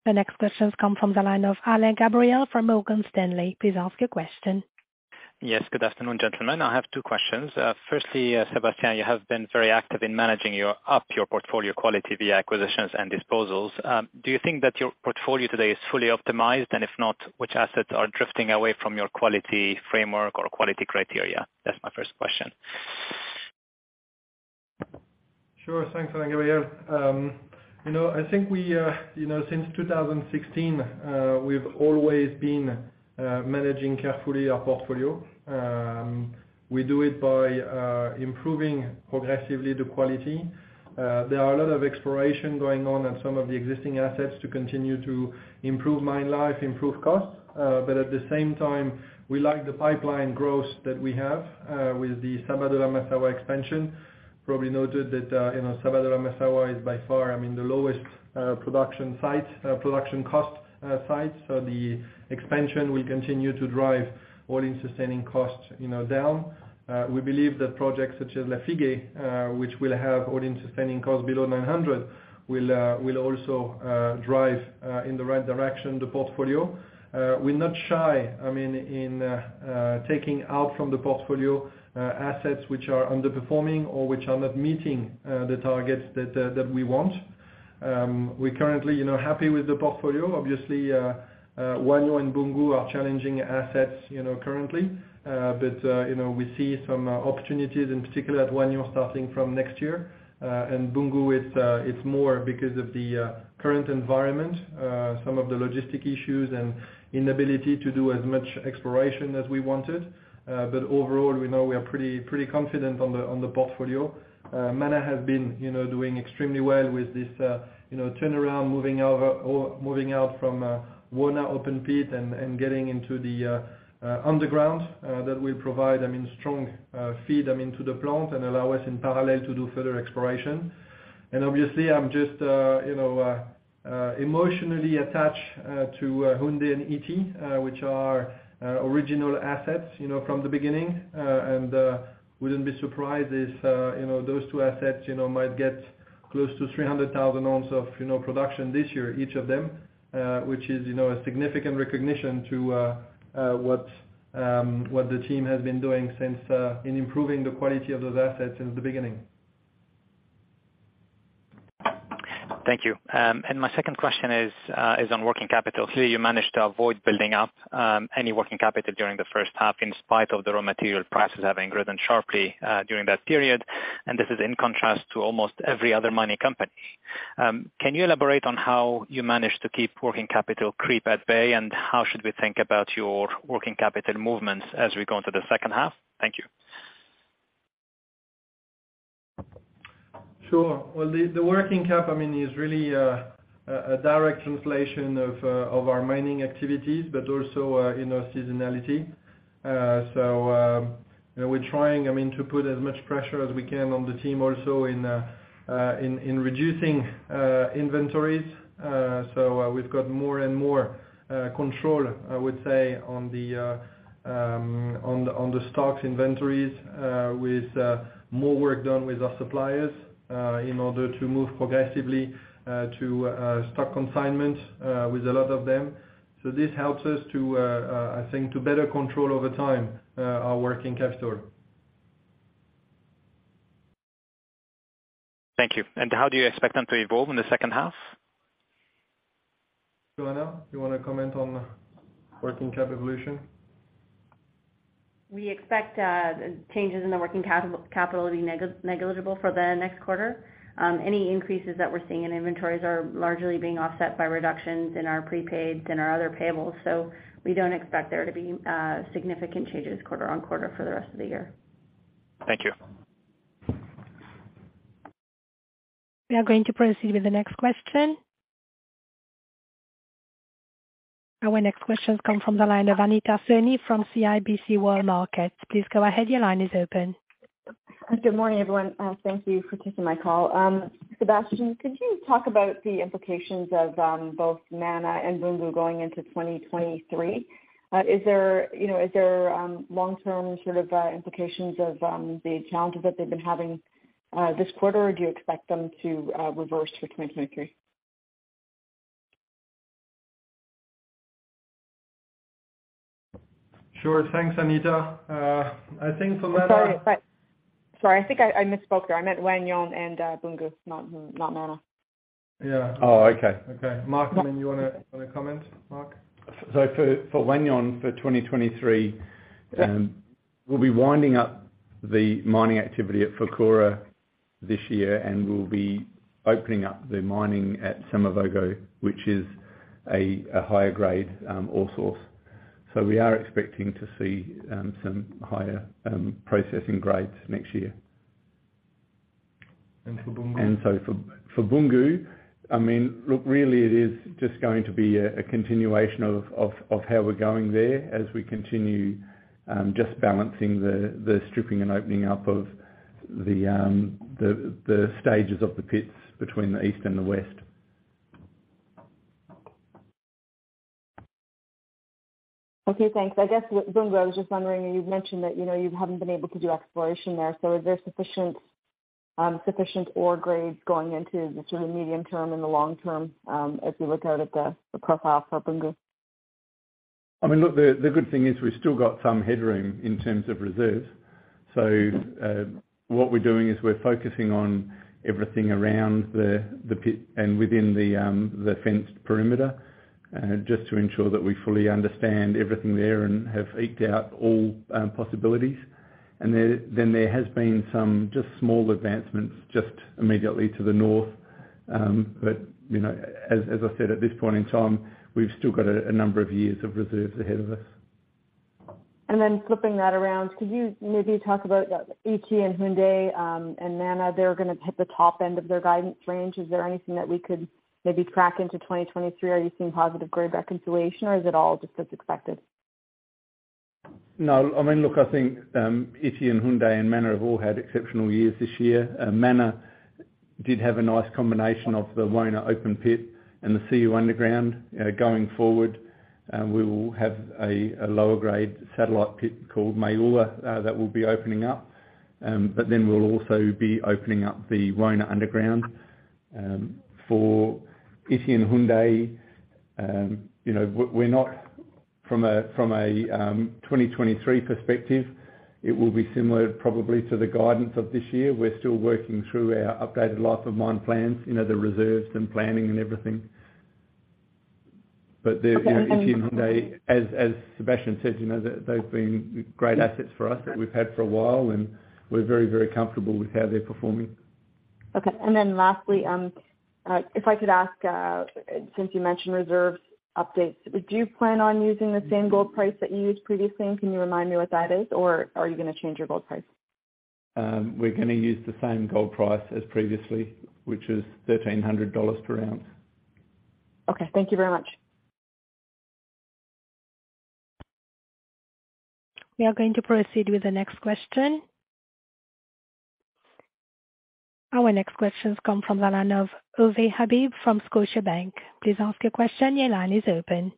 The next questions come from the line of Alain Gabriel from Morgan Stanley. Please ask your question. Yes, good afternoon, gentlemen. I have two questions. Firstly, Sébastien, you have been very active in managing your, up your portfolio quality via acquisitions and disposals. Do you think that your portfolio today is fully optimized? If not, which assets are drifting away from your quality framework or quality criteria? That's my first question. Sure. Thanks, Alain Gabriel. You know, I think we, you know, since 2016, we've always been managing carefully our portfolio. We do it by improving progressively the quality. There are a lot of exploration going on in some of the existing assets to continue to improve mine life, improve costs, but at the same time, we like the pipeline growth that we have with the Nogbele Massawa expansion. Probably noted that, you know, Nogbele Massawa is by far, I mean, the lowest production site, production cost site. So the expansion will continue to drive All-In Sustaining Costs, you know, down. We believe that projects such as Lafigué, which will have All-In Sustaining Costs below $900, will will also drive in the right direction, the portfolio. We're not shy, I mean, in taking out from the portfolio, assets which are underperforming or which are not meeting the targets that that we want. We're currently, you know, happy with the portfolio. Obviously, Wahgnion and Boungou are challenging assets, you know, currently. You know, we see some opportunities, in particular at Wahgnion, starting from next year. Boungou, it's more because of the current environment, some of the logistic issues and inability to do as much exploration as we wanted. Overall, we know we are pretty, pretty confident on the on the portfolio. Mana has been, you know, doing extremely well with this, you know, turnaround, moving out from Wona open pit and getting into the underground, that will provide, I mean, strong feed, I mean, to the plant and allow us in parallel to do further exploration. Obviously, I'm just, you know, emotionally attached to Houndé and Ity, which are original assets, you know, from the beginning. And wouldn't be surprised if, you know, those two assets, you know, might get close to 300,000 ounces of, you know, production this year, each of them, which is, you know, a significant recognition to what the team has been doing since in improving the quality of those assets since the beginning. Thank you. My second question is on working capital. Clearly, you managed to avoid building up any working capital during the first half, in spite of the raw material prices having risen sharply during that period, and this is in contrast to almost every other mining company. Can you elaborate on how you managed to keep working capital creep at bay, and how should we think about your working capital movements as we go into the second half? Thank you. Sure. Well, the, the working cap, I mean, is really, a, a direct translation of, of our mining activities, but also, you know, seasonality. We're trying, I mean, to put as much pressure as we can on the team also in, in reducing, inventories. We've got more and more, control, I would say, on the, on the, on the stocks inventories, with, more work done with our suppliers, in order to move progressively, to, stock consignment, with a lot of them. This helps us to, I think, to better control over time, our working capital. Thank you. How do you expect them to evolve in the second half? Joanna, you wanna comment on working capital evolution? We expect changes in the working capital to be negligible for the next quarter. Any increases that we're seeing in inventories are largely being offset by reductions in our prepaids and our other payables, so we don't expect there to be significant changes quarter on quarter for the rest of the year. Thank you. We are going to proceed with the next question. Our next question comes from the line of Anita Soni from CIBC World Markets. Please go ahead. Your line is open. Good morning, everyone. Thank you for taking my call. Sébastien, could you talk about the implications of both Mana and Boungou going into 2023? Is there, you know, is there long-term sort of implications of the challenges that they've been having this quarter, or do you expect them to reverse for 2023? Sure. Thanks, Anita. I think for Mana- Sorry, I think I, I misspoke there. I meant Wahgnion and Boungou, not, not Mana. Yeah. Oh, okay. Okay. Mark, I mean, you wanna, wanna comment, Mark? For, for Wahgnion, for 2023, we'll be winding up the mining activity at Fourkoura this year, and we'll be opening up the mining at Samavogo, which is a, a higher grade, ore source. We are expecting to see, some higher, processing grades next year. For Boungou? For, for Boungou, I mean, look, really it is just going to be a, a continuation of, of, of how we're going there as we continue, just balancing the, the stripping and opening up of the, the, the stages of the pits between the east and the west. Okay, thanks. I guess with Boungou, I was just wondering, you've mentioned that, you know, you haven't been able to do exploration there, so is there sufficient sufficient ore grades going into the sort of medium term and the long term, as you look out at the, the profile for Boungou? I mean, look, the, the good thing is we've still got some headroom in terms of reserves. What we're doing is we're focusing on everything around the, the pit and within the, the fenced perimeter, just to ensure that we fully understand everything there and have eked out all possibilities. There, then there has been some just small advancements, just immediately to the north. But, you know, as, as I said, at this point in time, we've still got a, a number of years of reserves ahead of us. Then flipping that around, could you maybe talk about Ity and Houndé, and Mana, they're gonna hit the top end of their guidance range. Is there anything that we could maybe crack into 2023? Are you seeing positive grade reconciliation, or is it all just as expected? No. I mean, look, I think, Ity and Houndé and Mana have all had exceptional years this year. Mana did have a nice combination of the Wona open pit and the Siou underground. Going forward, we will have a, a lower grade satellite pit called Maoula, that will be opening up. Then we'll also be opening up the Wona underground. For Ity and Houndé, you know, w-we're not from a, from a, 2023 perspective, it will be similar probably to the guidance of this year. We're still working through our updated life of mine plans, you know, the reserves and planning and everything. The Ity and Houndé... Okay. As Sébastien said, you know, they've been great assets for us that we've had for a while, and we're very, very comfortable with how they're performing. Okay. Then lastly, if I could ask, since you mentioned reserve updates, do you plan on using the same gold price that you used previously, and can you remind me what that is, or are you gonna change your gold price? We're gonna use the same gold price as previously, which is $1,300 per ounce. Okay. Thank you very much. We are going to proceed with the next question. Our next question comes from the line of Ovais Habib from Scotiabank. Please ask your question. Your line is open.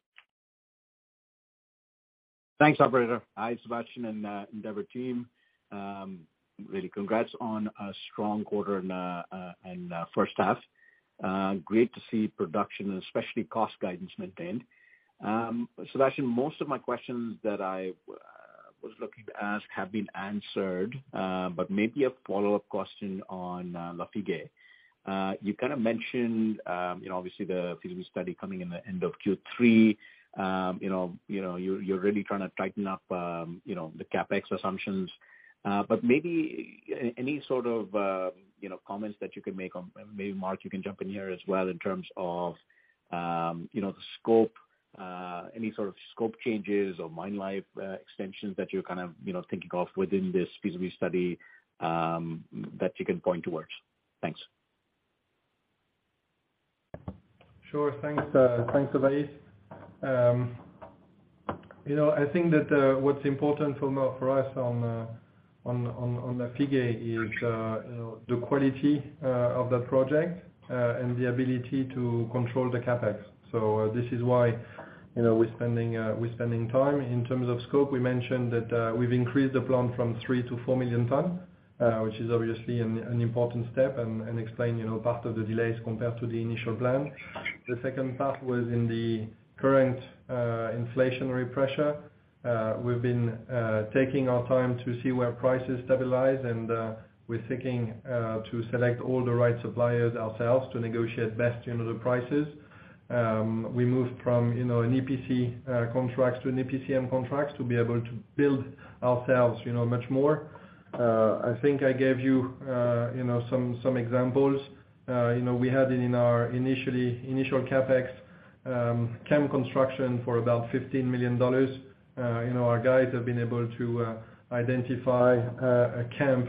Thanks, operator. Hi, Sébastien and Endeavour team. Really congrats on a strong quarter and first half. Great to see production, especially cost guidance maintained. Sébastien, most of my questions that I- I was looking to ask have been answered, but maybe a follow-up question on Lafigué. You kind of mentioned, you know, obviously the feasibility study coming in the end of Q3. You know, you're, you're really trying to tighten up, you know, the CapEx assumptions. Maybe any sort of, you know, comments that you can make on... Maybe, Mark, you can jump in here as well, in terms of, you know, the scope, any sort of scope changes or mine life, extensions that you're kind of, you know, thinking of within this feasibility study, that you can point towards? Thanks. Sure. Thanks, thanks, Ovais. You know, I think that, what's important for for us on, on, on, on Lafigué is, you know, the quality, of the project, and the ability to control the CapEx. This is why, you know, we're spending, we're spending time. In terms of scope, we mentioned that, we've increased the plan from 3 to 4 million ton, which is obviously an important step and, and explain, you know, part of the delays compared to the initial plan. The second part was in the current, inflationary pressure. We've been, taking our time to see where prices stabilize, and, we're seeking, to select all the right suppliers ourselves to negotiate best, you know, the prices. We moved from, you know, an EPC contract to an EPCM contract to be able to build ourselves, you know, much more. I think I gave you, you know, some examples. You know, we had in our initially, initial CapEx, camp construction for about $15 million. You know, our guys have been able to identify a camp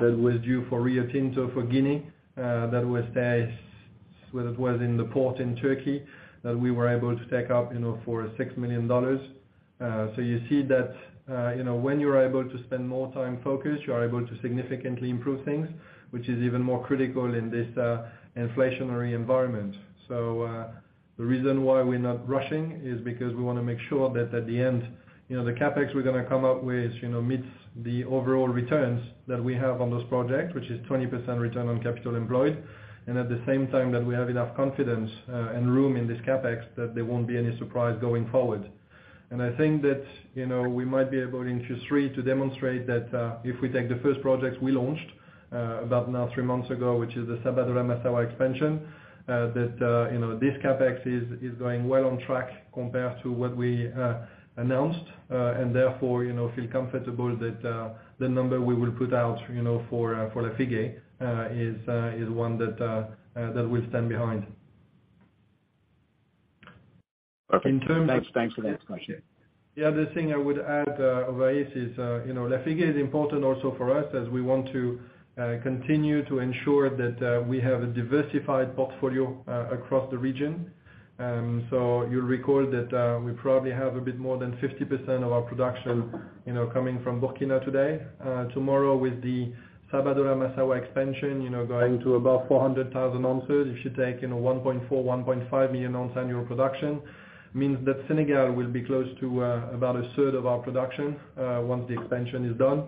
that was due for Rio Tinto, for Guinea, that was there, well, it was in the port in Turkey, that we were able to take up, you know, for $6 million. You see that, you know, when you're able to spend more time focused, you're able to significantly improve things, which is even more critical in this inflationary environment. The reason why we're not rushing is because we wanna make sure that at the end, you know, the CapEx we're gonna come up with, you know, meets the overall returns that we have on this project, which is 20% return on capital employed, and at the same time, that we have enough confidence and room in this CapEx, that there won't be any surprise going forward. I think that, you know, we might be able, in Q3, to demonstrate that, if we take the first projects we launched, about now 3 months ago, which is the Nogbele-Massawa expansion, that, you know, this CapEx is, is going well on track compared to what we announced. Therefore, you know, feel comfortable that, the number we will put out, you know, for, for Lafigué, is, is one that, that we'll stand behind. Okay. In terms of- Thanks, thanks for that question. Yeah, the thing I would add, Ovais, is, you know, Lafigué is important also for us, as we want to continue to ensure that we have a diversified portfolio across the region. You'll recall that we probably have a bit more than 50% of our production, you know, coming from Burkina today. Tomorrow, with the Nogbele-Massawa expansion, you know, going to about 400,000 ounces, if you take, you know, 1.4-1.5 million ounce annual production, means that Senegal will be close to about a third of our production once the expansion is done.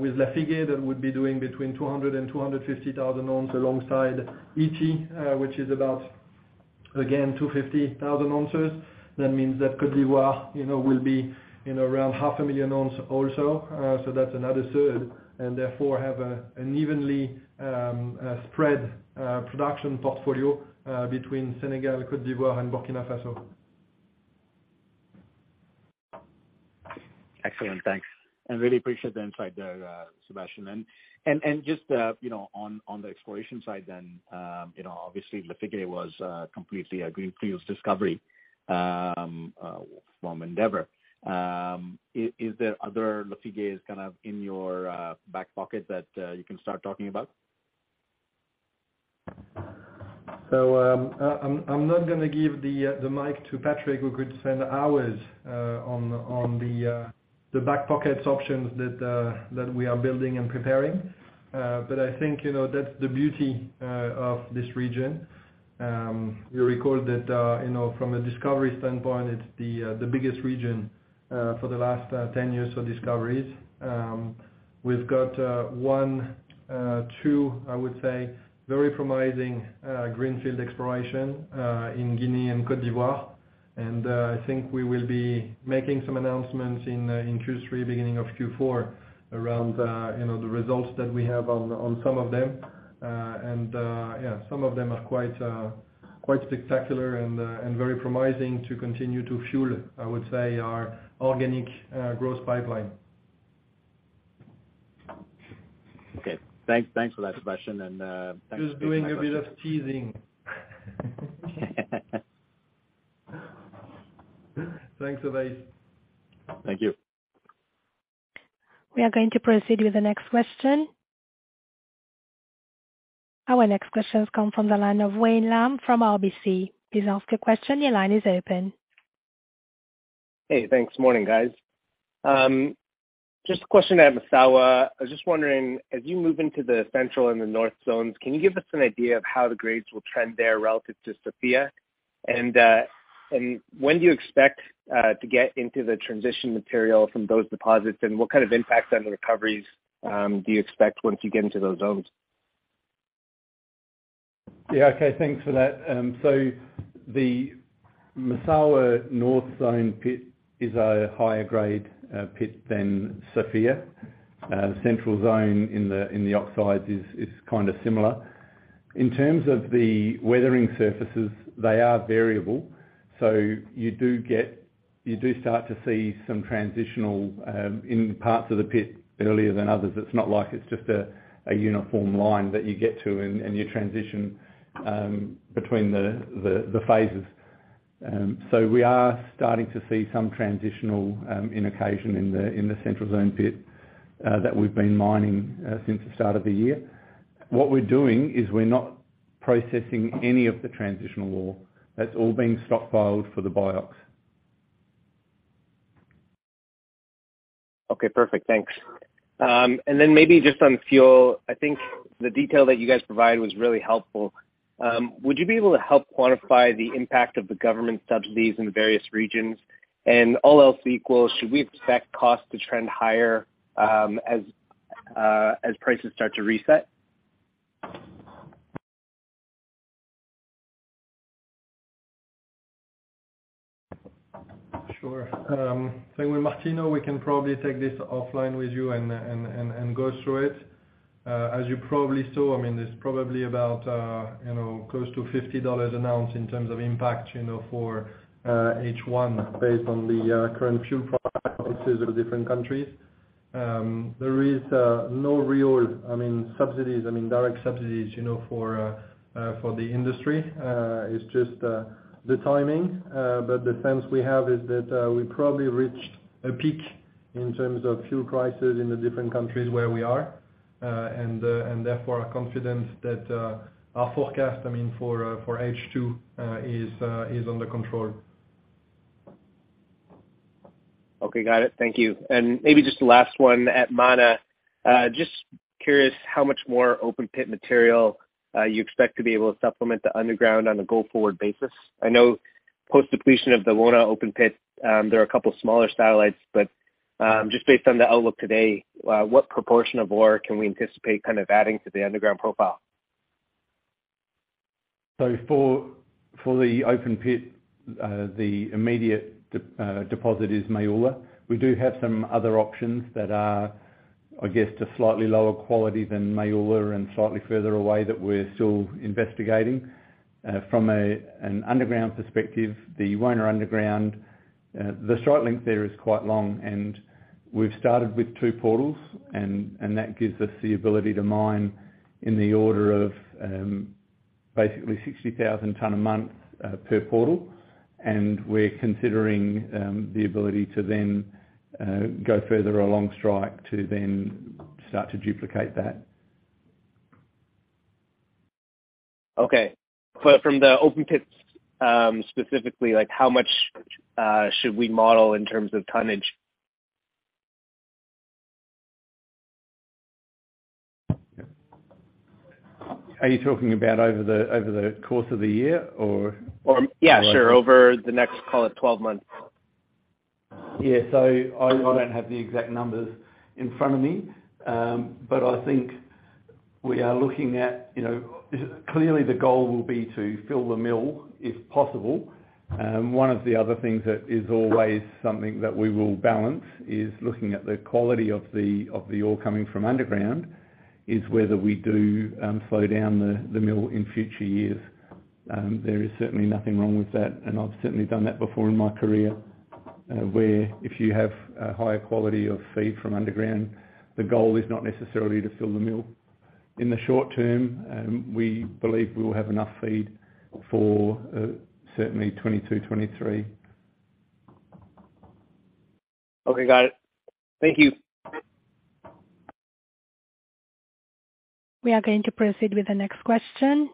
With Lafigué, that would be doing between 200,000-250,000 ounces alongside Ity, which is about, again, 250,000 ounces. That means that Cote d'Ivoire, you know, will be, you know, around half a million ounces also. So that's another third, and therefore, have an evenly spread production portfolio between Senegal, Cote d'Ivoire and Burkina Faso. Excellent, thanks. I really appreciate the insight there, Sébastien. Just, you know, on the exploration side then, you know, obviously Lafigué was completely a greenfields discovery from Endeavour. Is there other Lafigué kind of in your back pocket that you can start talking about? I'm, I'm not gonna give the mic to Patrick, who could spend hours on, on the back pocket options that we are building and preparing. I think, you know, that's the beauty of this region. You'll recall that, you know, from a discovery standpoint, it's the biggest region for the last 10 years for discoveries. We've got 1, 2, I would say, very promising greenfield exploration in Guinea and Cote d'Ivoire. I think we will be making some announcements in Q3, beginning of Q4, around, you know, the results that we have on, on some of them. Yeah, some of them are quite spectacular and very promising to continue to fuel, I would say, our organic growth pipeline. Okay. Thanks, thanks for that, Sébastien. Just doing a bit of teasing. Thanks, Ovais. Thank you. We are going to proceed with the next question. Our next question comes from the line of Wayne Lam from RBC. Please ask your question. Your line is open. Hey, thanks. Morning, guys. Just a question at Massawa. I was just wondering, as you move into the central and the north zones, can you give us an idea of how the grades will trend there relative to Sofia? When do you expect to get into the transition material from those deposits, and what kind of impact on the recoveries do you expect once you get into those zones? Yeah, okay, thanks for that. The Massawa North Zone pit is a higher grade pit than Sofia. Central zone in the, in the oxides is, is kind of similar. In terms of the weathering surfaces, they are variable, so you do start to see some transitional in parts of the pit earlier than others. It's not like it's just a, a uniform line that you get to and, and you transition between the, the, the phases. We are starting to see some transitional indication in the, in the central zone pit that we've been mining since the start of the year. What we're doing is we're not processing any of the transitional ore. That's all being stockpiled for the BIOX. Okay, perfect. Thanks. Then maybe just on fuel, I think the detail that you guys provided was really helpful. Would you be able to help quantify the impact of the government subsidies in the various regions? All else equal, should we expect cost to trend higher, as, as prices start to reset? Sure. With Martino, we can probably take this offline with you and, and, and, and go through it. As you probably saw, I mean, it's probably about, you know, close to $50 an ounce in terms of impact, you know, for H1 based on the current fuel prices of the different countries. There is no real, I mean, subsidies, I mean, direct subsidies, you know, for for the industry. It's just the timing. The sense we have is that we probably reached a peak in terms of fuel prices in the different countries where we are, and therefore, are confident that our forecast, I mean, for for H2, is is under control. Okay. Got it. Thank you. And maybe just the last one at Mana. Just curious how much more open pit material you expect to be able to supplement the underground on a go-forward basis? I know post-depletion of the Wona open pit, there are a couple of smaller satellites, but just based on the outlook today, what proportion of ore can we anticipate kind of adding to the underground profile? For, for the open pit, the immediate deposit is Maoula. We do have some other options that are, I guess, just slightly lower quality than Maoula and slightly further away that we're still investigating. From a, an underground perspective, the Wona underground, the strike length there is quite long, and we've started with two portals, and, and that gives us the ability to mine in the order of, basically 60,000 tons a month, per portal. We're considering the ability to then go further along strike to then start to duplicate that. Okay. From the open pits, specifically, like, how much should we model in terms of tonnage? Are you talking about over the, over the course of the year, or? Yeah, sure. Over the next, call it, 12 months. Yeah. I, I don't have the exact numbers in front of me, but I think we are looking at, you know, Clearly, the goal will be to fill the mill, if possible. One of the other things that is always something that we will balance is looking at the quality of the, of the ore coming from underground, is whether we do, slow down the, the mill in future years. There is certainly nothing wrong with that, and I've certainly done that before in my career, where if you have a higher quality of feed from underground, the goal is not necessarily to fill the mill. In the short term, we believe we will have enough feed for, certainly 2022, 2023. Okay, got it. Thank you. We are going to proceed with the next question.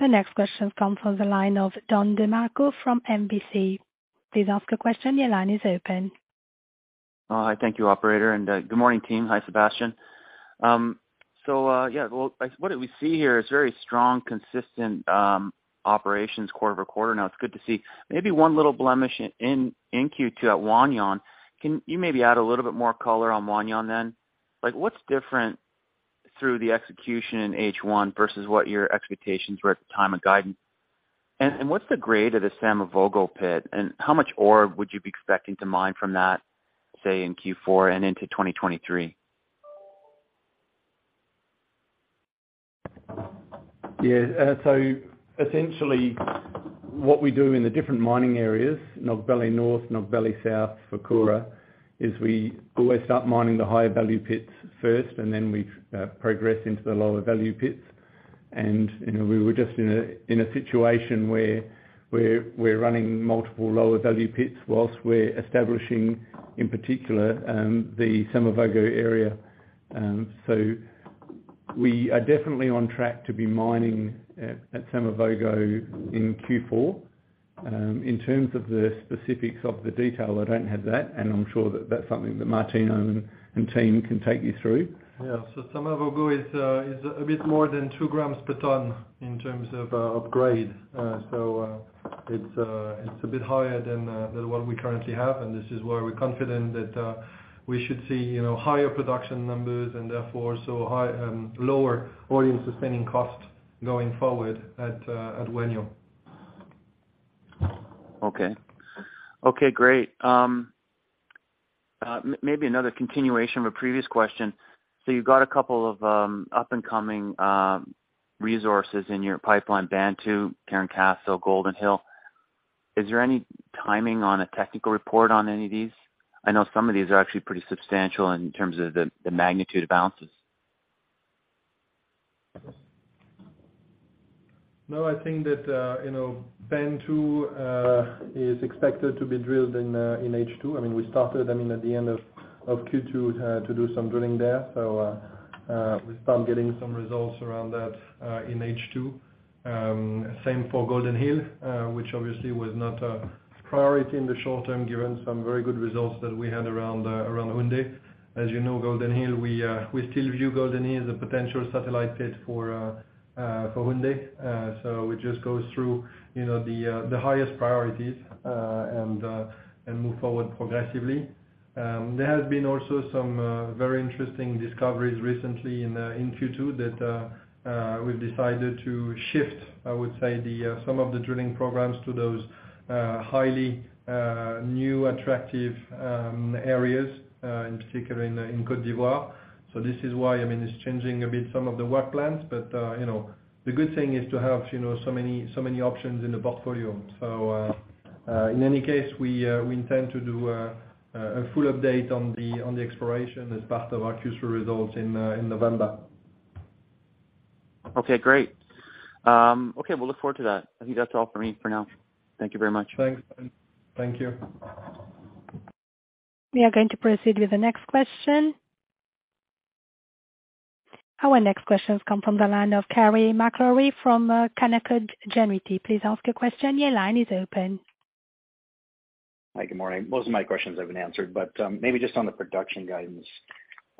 The next question comes from the line of Don DeMarco from NBC. Please ask your question. Your line is open. Thank you, operator, good morning, team. Hi, Sébastien. Yeah, well, what did we see here is very strong, consistent operations quarter-over-quarter. It's good to see. Maybe one little blemish in Q2 at Wahgnion. Can you maybe add a little bit more color on Wahgnion then? Like, what's different through the execution in H1 versus what your expectations were at the time of guidance? What's the grade of the Nogbele pit, and how much ore would you be expecting to mine from that, say, in Q4 and into 2023? Yeah. So essentially, what we do in the different mining areas, Nogbele North, Nogbele South, Fourkoura, is we always start mining the higher value pits first, and then we progress into the lower value pits. You know, we were just in a, in a situation where we're, we're running multiple lower value pits whilst we're establishing, in particular, the Nogbele area. So we are definitely on track to be mining at, at Nogbele in Q4. In terms of the specifics of the detail, I don't have that, and I'm sure that that's something that Martino and team can take you through. Yeah. Nogbele is a bit more than 2 grams per ton in terms of upgrade. It's a bit higher than what we currently have, and this is why we're confident that we should see, you know, higher production numbers, and therefore, lower All-In Sustaining Costs going forward at Wahgnion. Okay. Okay, great. maybe another continuation of a previous question. you've got a couple of up and coming resources in your pipeline, Bantou, Karankasso, Golden Hill. Is there any timing on a technical report on any of these? I know some of these are actually pretty substantial in terms of the, the magnitude of ounces. No, I think that, you know, Bantou is expected to be drilled in H2. I mean, we started, I mean, at the end of Q2, to do some drilling there. We start getting some results around that in H2. Same for Golden Hill, which obviously was not a priority in the short term, given some very good results that we had around Wahgnion. As you know, Golden Hill, we still view Golden Hill as a potential satellite pit for Wahgnion. It just goes through, you know, the highest priorities, and move forward progressively. There has been also some very interesting discoveries recently in Q2, that we've decided to shift, I would say, the some of the drilling programs to those highly new, attractive areas, in particular in Côte d'Ivoire. This is why, I mean, it's changing a bit, some of the work plans, but, you know, the good thing is to have, you know, so many, so many options in the portfolio. In any case, we intend to do a full update on the on the exploration as part of our Q3 results in November. Okay, great. Okay, we'll look forward to that. I think that's all for me for now. Thank you very much. Thanks. Thank you. We are going to proceed with the next question. Our next question has come from the line of Carey MacRury, from Canaccord Genuity. Please ask your question. Your line is open. Hi, good morning. Most of my questions have been answered. Maybe just on the production guidance.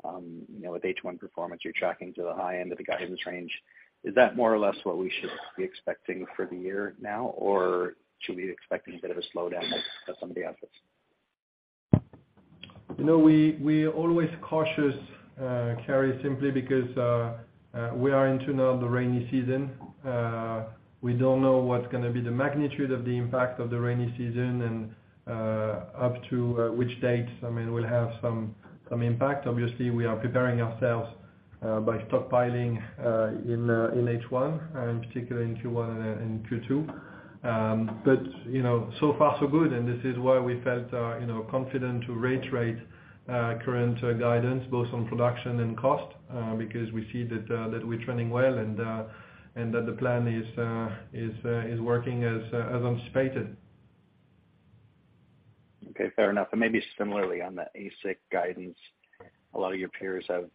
You know, with H1 performance, you're tracking to the high end of the guidance range. Is that more or less what we should be expecting for the year now? Or should we be expecting a bit of a slowdown at, at some of the assets? You know, we, we are always cautious, Carey, simply because, we are into now the rainy season. We don't know what's gonna be the magnitude of the impact of the rainy season and, up to, which date. I mean, we'll have some, some impact. Obviously, we are preparing ourselves, by stockpiling, in, in H1, in particular in Q1 and in Q2. You know, so far so good, and this is why we felt, you know, confident to reiterate, current, guidance, both on production and cost, because we see that, that we're trending well, and, and that the plan is, is, is working as, as anticipated. Okay, fair enough. Maybe similarly on the AISC guidance, a lot of your peers have,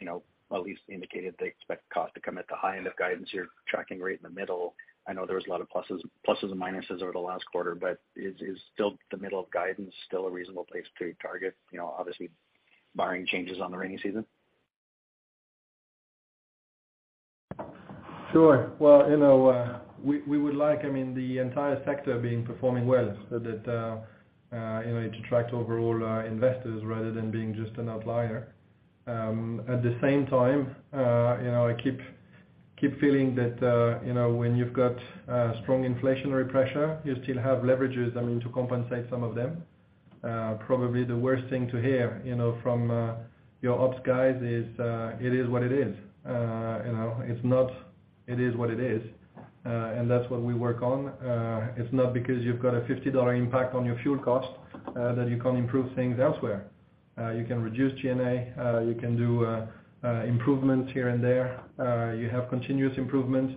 you know, at least indicated they expect cost to come at the high end of guidance. You're tracking right in the middle. I know there was a lot of pluses, pluses and minuses over the last quarter, but is, is still the middle of guidance still a reasonable place to target? You know, obviously barring changes on the rainy season. Sure. Well, you know, we, we would like, I mean, the entire sector being performing well, so that, you know, it attracts overall investors rather than being just an outlier. At the same time, you know, I keep, keep feeling that, you know, when you've got strong inflationary pressure, you still have leverages, I mean, to compensate some of them. Probably the worst thing to hear, you know, from your ops guys is, it is what it is. You know, it's not, it is what it is. That's what we work on. It's not because you've got a $50 impact on your fuel cost, that you can't improve things elsewhere. You can reduce G&A, you can do improvements here and there. You have continuous improvements,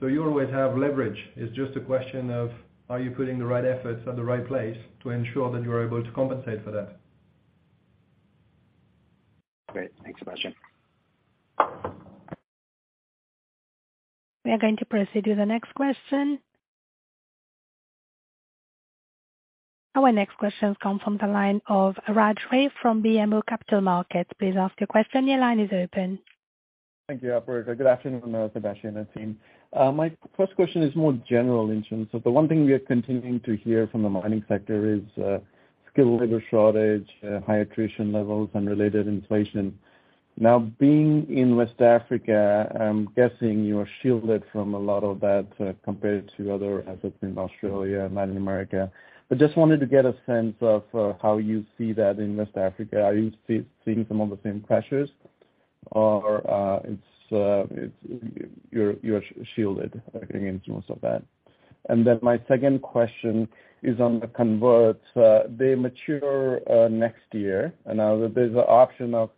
so you always have leverage. It's just a question of, are you putting the right efforts at the right place to ensure that you are able to compensate for that? Great. Thanks, Sébastien. We are going to proceed to the next question. Our next question comes from the line of Raj Ray from BMO Capital Markets. Please ask your question. Your line is open. Thank you, Operator. Good afternoon, Sébastien and the team. My first question is more general in terms of the one thing we are continuing to hear from the mining sector is skilled labor shortage, high attrition levels and related inflation. Now, being in West Africa, I'm guessing you are shielded from a lot of that, compared to other assets in Australia, Latin America. Just wanted to get a sense of, how you see that in West Africa. Are you seeing some of the same pressures? It's, it's you're, you're shielded against most of that. My second question is on the converts. They mature next year, now there's an option of,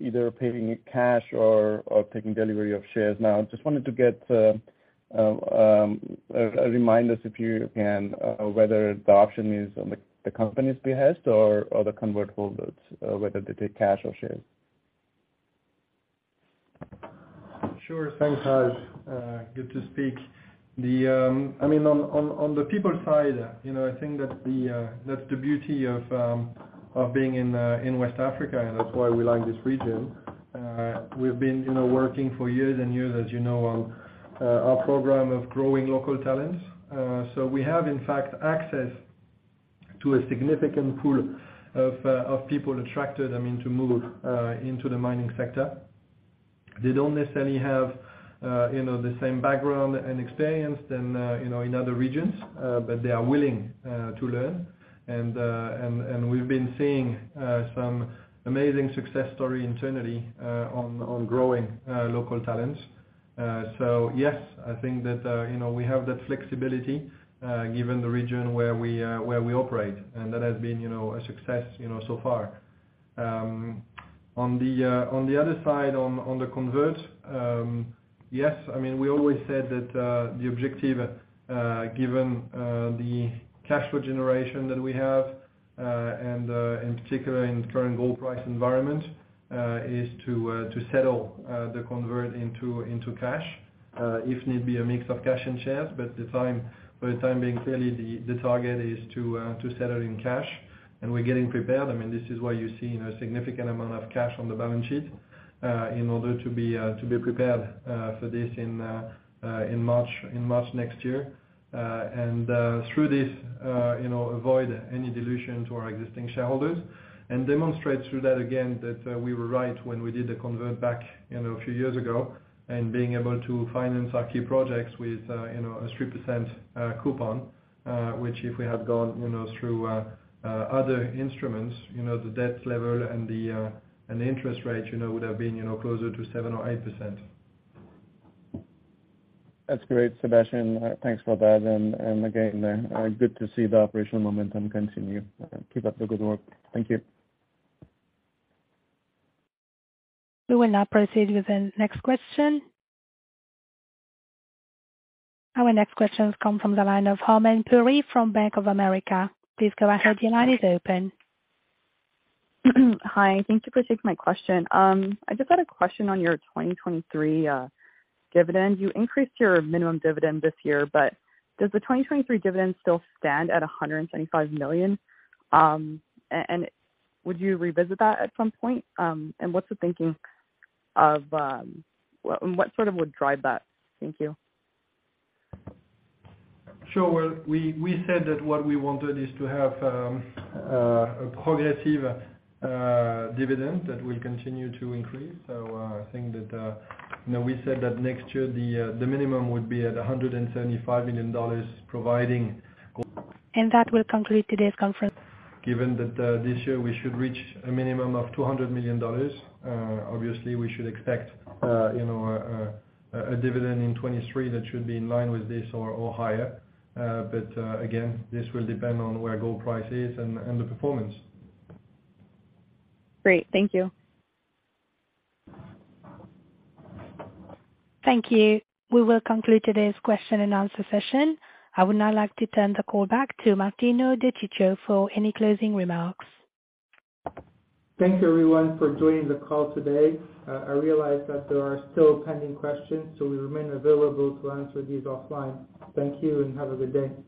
either paying it cash or, or taking delivery of shares. Now, I just wanted to get a reminder, if you can, whether the option is on the company's behest or the convert holders, whether they take cash or shares? Sure. Thanks, Raj. good to speak. I mean, on, on, on the people side, you know, I think that the, that's the beauty of, of being in, in West Africa, and that's why we like this region. we've been, you know, working for years and years, as you know, on, our program of growing local talents. we have, in fact, to a significant pool of, of people attracted, I mean, to move, into the mining sector. They don't necessarily have, you know, the same background and experience than, you know, in other regions, but they are willing, to learn. and, and we've been seeing, some amazing success story internally, on, on growing, local talents. Yes, I think that, you know, we have that flexibility, given the region where we, where we operate, and that has been, you know, a success, you know, so far. On the, on the other side, on, on the convert, yes, I mean, we always said that, the objective, given, the cash flow generation that we have, and, in particular in the current gold price environment, is to, to settle, the convert into, into cash, if need be, a mix of cash and shares. The time, for the time being, clearly the, the target is to, to settle in cash, and we're getting prepared. I mean, this is why you're seeing a significant amount of cash on the balance sheet, in order to be to be prepared for this in March, in March next year. Through this, you know, avoid any dilution to our existing shareholders and demonstrate through that again, that we were right when we did the convert back, you know, a few years ago, and being able to finance our key projects with, you know, a 3% coupon, which if we had gone, you know, through other instruments, you know, the debt level and the and the interest rate, you know, would have been, you know, closer to 7% or 8%. That's great, Sébastien, thanks for that. Again, good to see the operational momentum continue. Keep up the good work. Thank you. We will now proceed with the next question. Our next question comes from the line of Homai Puri from Bank of America. Please go ahead, your line is open. Hi, thank you for taking my question. I just had a question on your 2023 dividend. You increased your minimum dividend this year, but does the 2023 dividend still stand at $125 million? Would you revisit that at some point? What's the thinking of... What sort of would drive that? Thank you. Sure. Well, we, we said that what we wanted is to have, a progressive, dividend that will continue to increase. I think that, you know, we said that next year, the minimum would be at $175 million, providing. That will conclude today's conference. Given that, this year, we should reach a minimum of $200 million, obviously, we should expect, you know, a, a, a dividend in 2023 that should be in line with this or, or higher. Again, this will depend on where gold price is and, and the performance. Great, thank you. Thank you. We will conclude today's question and answer session. I would now like to turn the call back to Martino De Ciccio for any closing remarks. Thank you, everyone, for joining the call today. I realize that there are still pending questions, so we remain available to answer these offline. Thank you, and have a good day.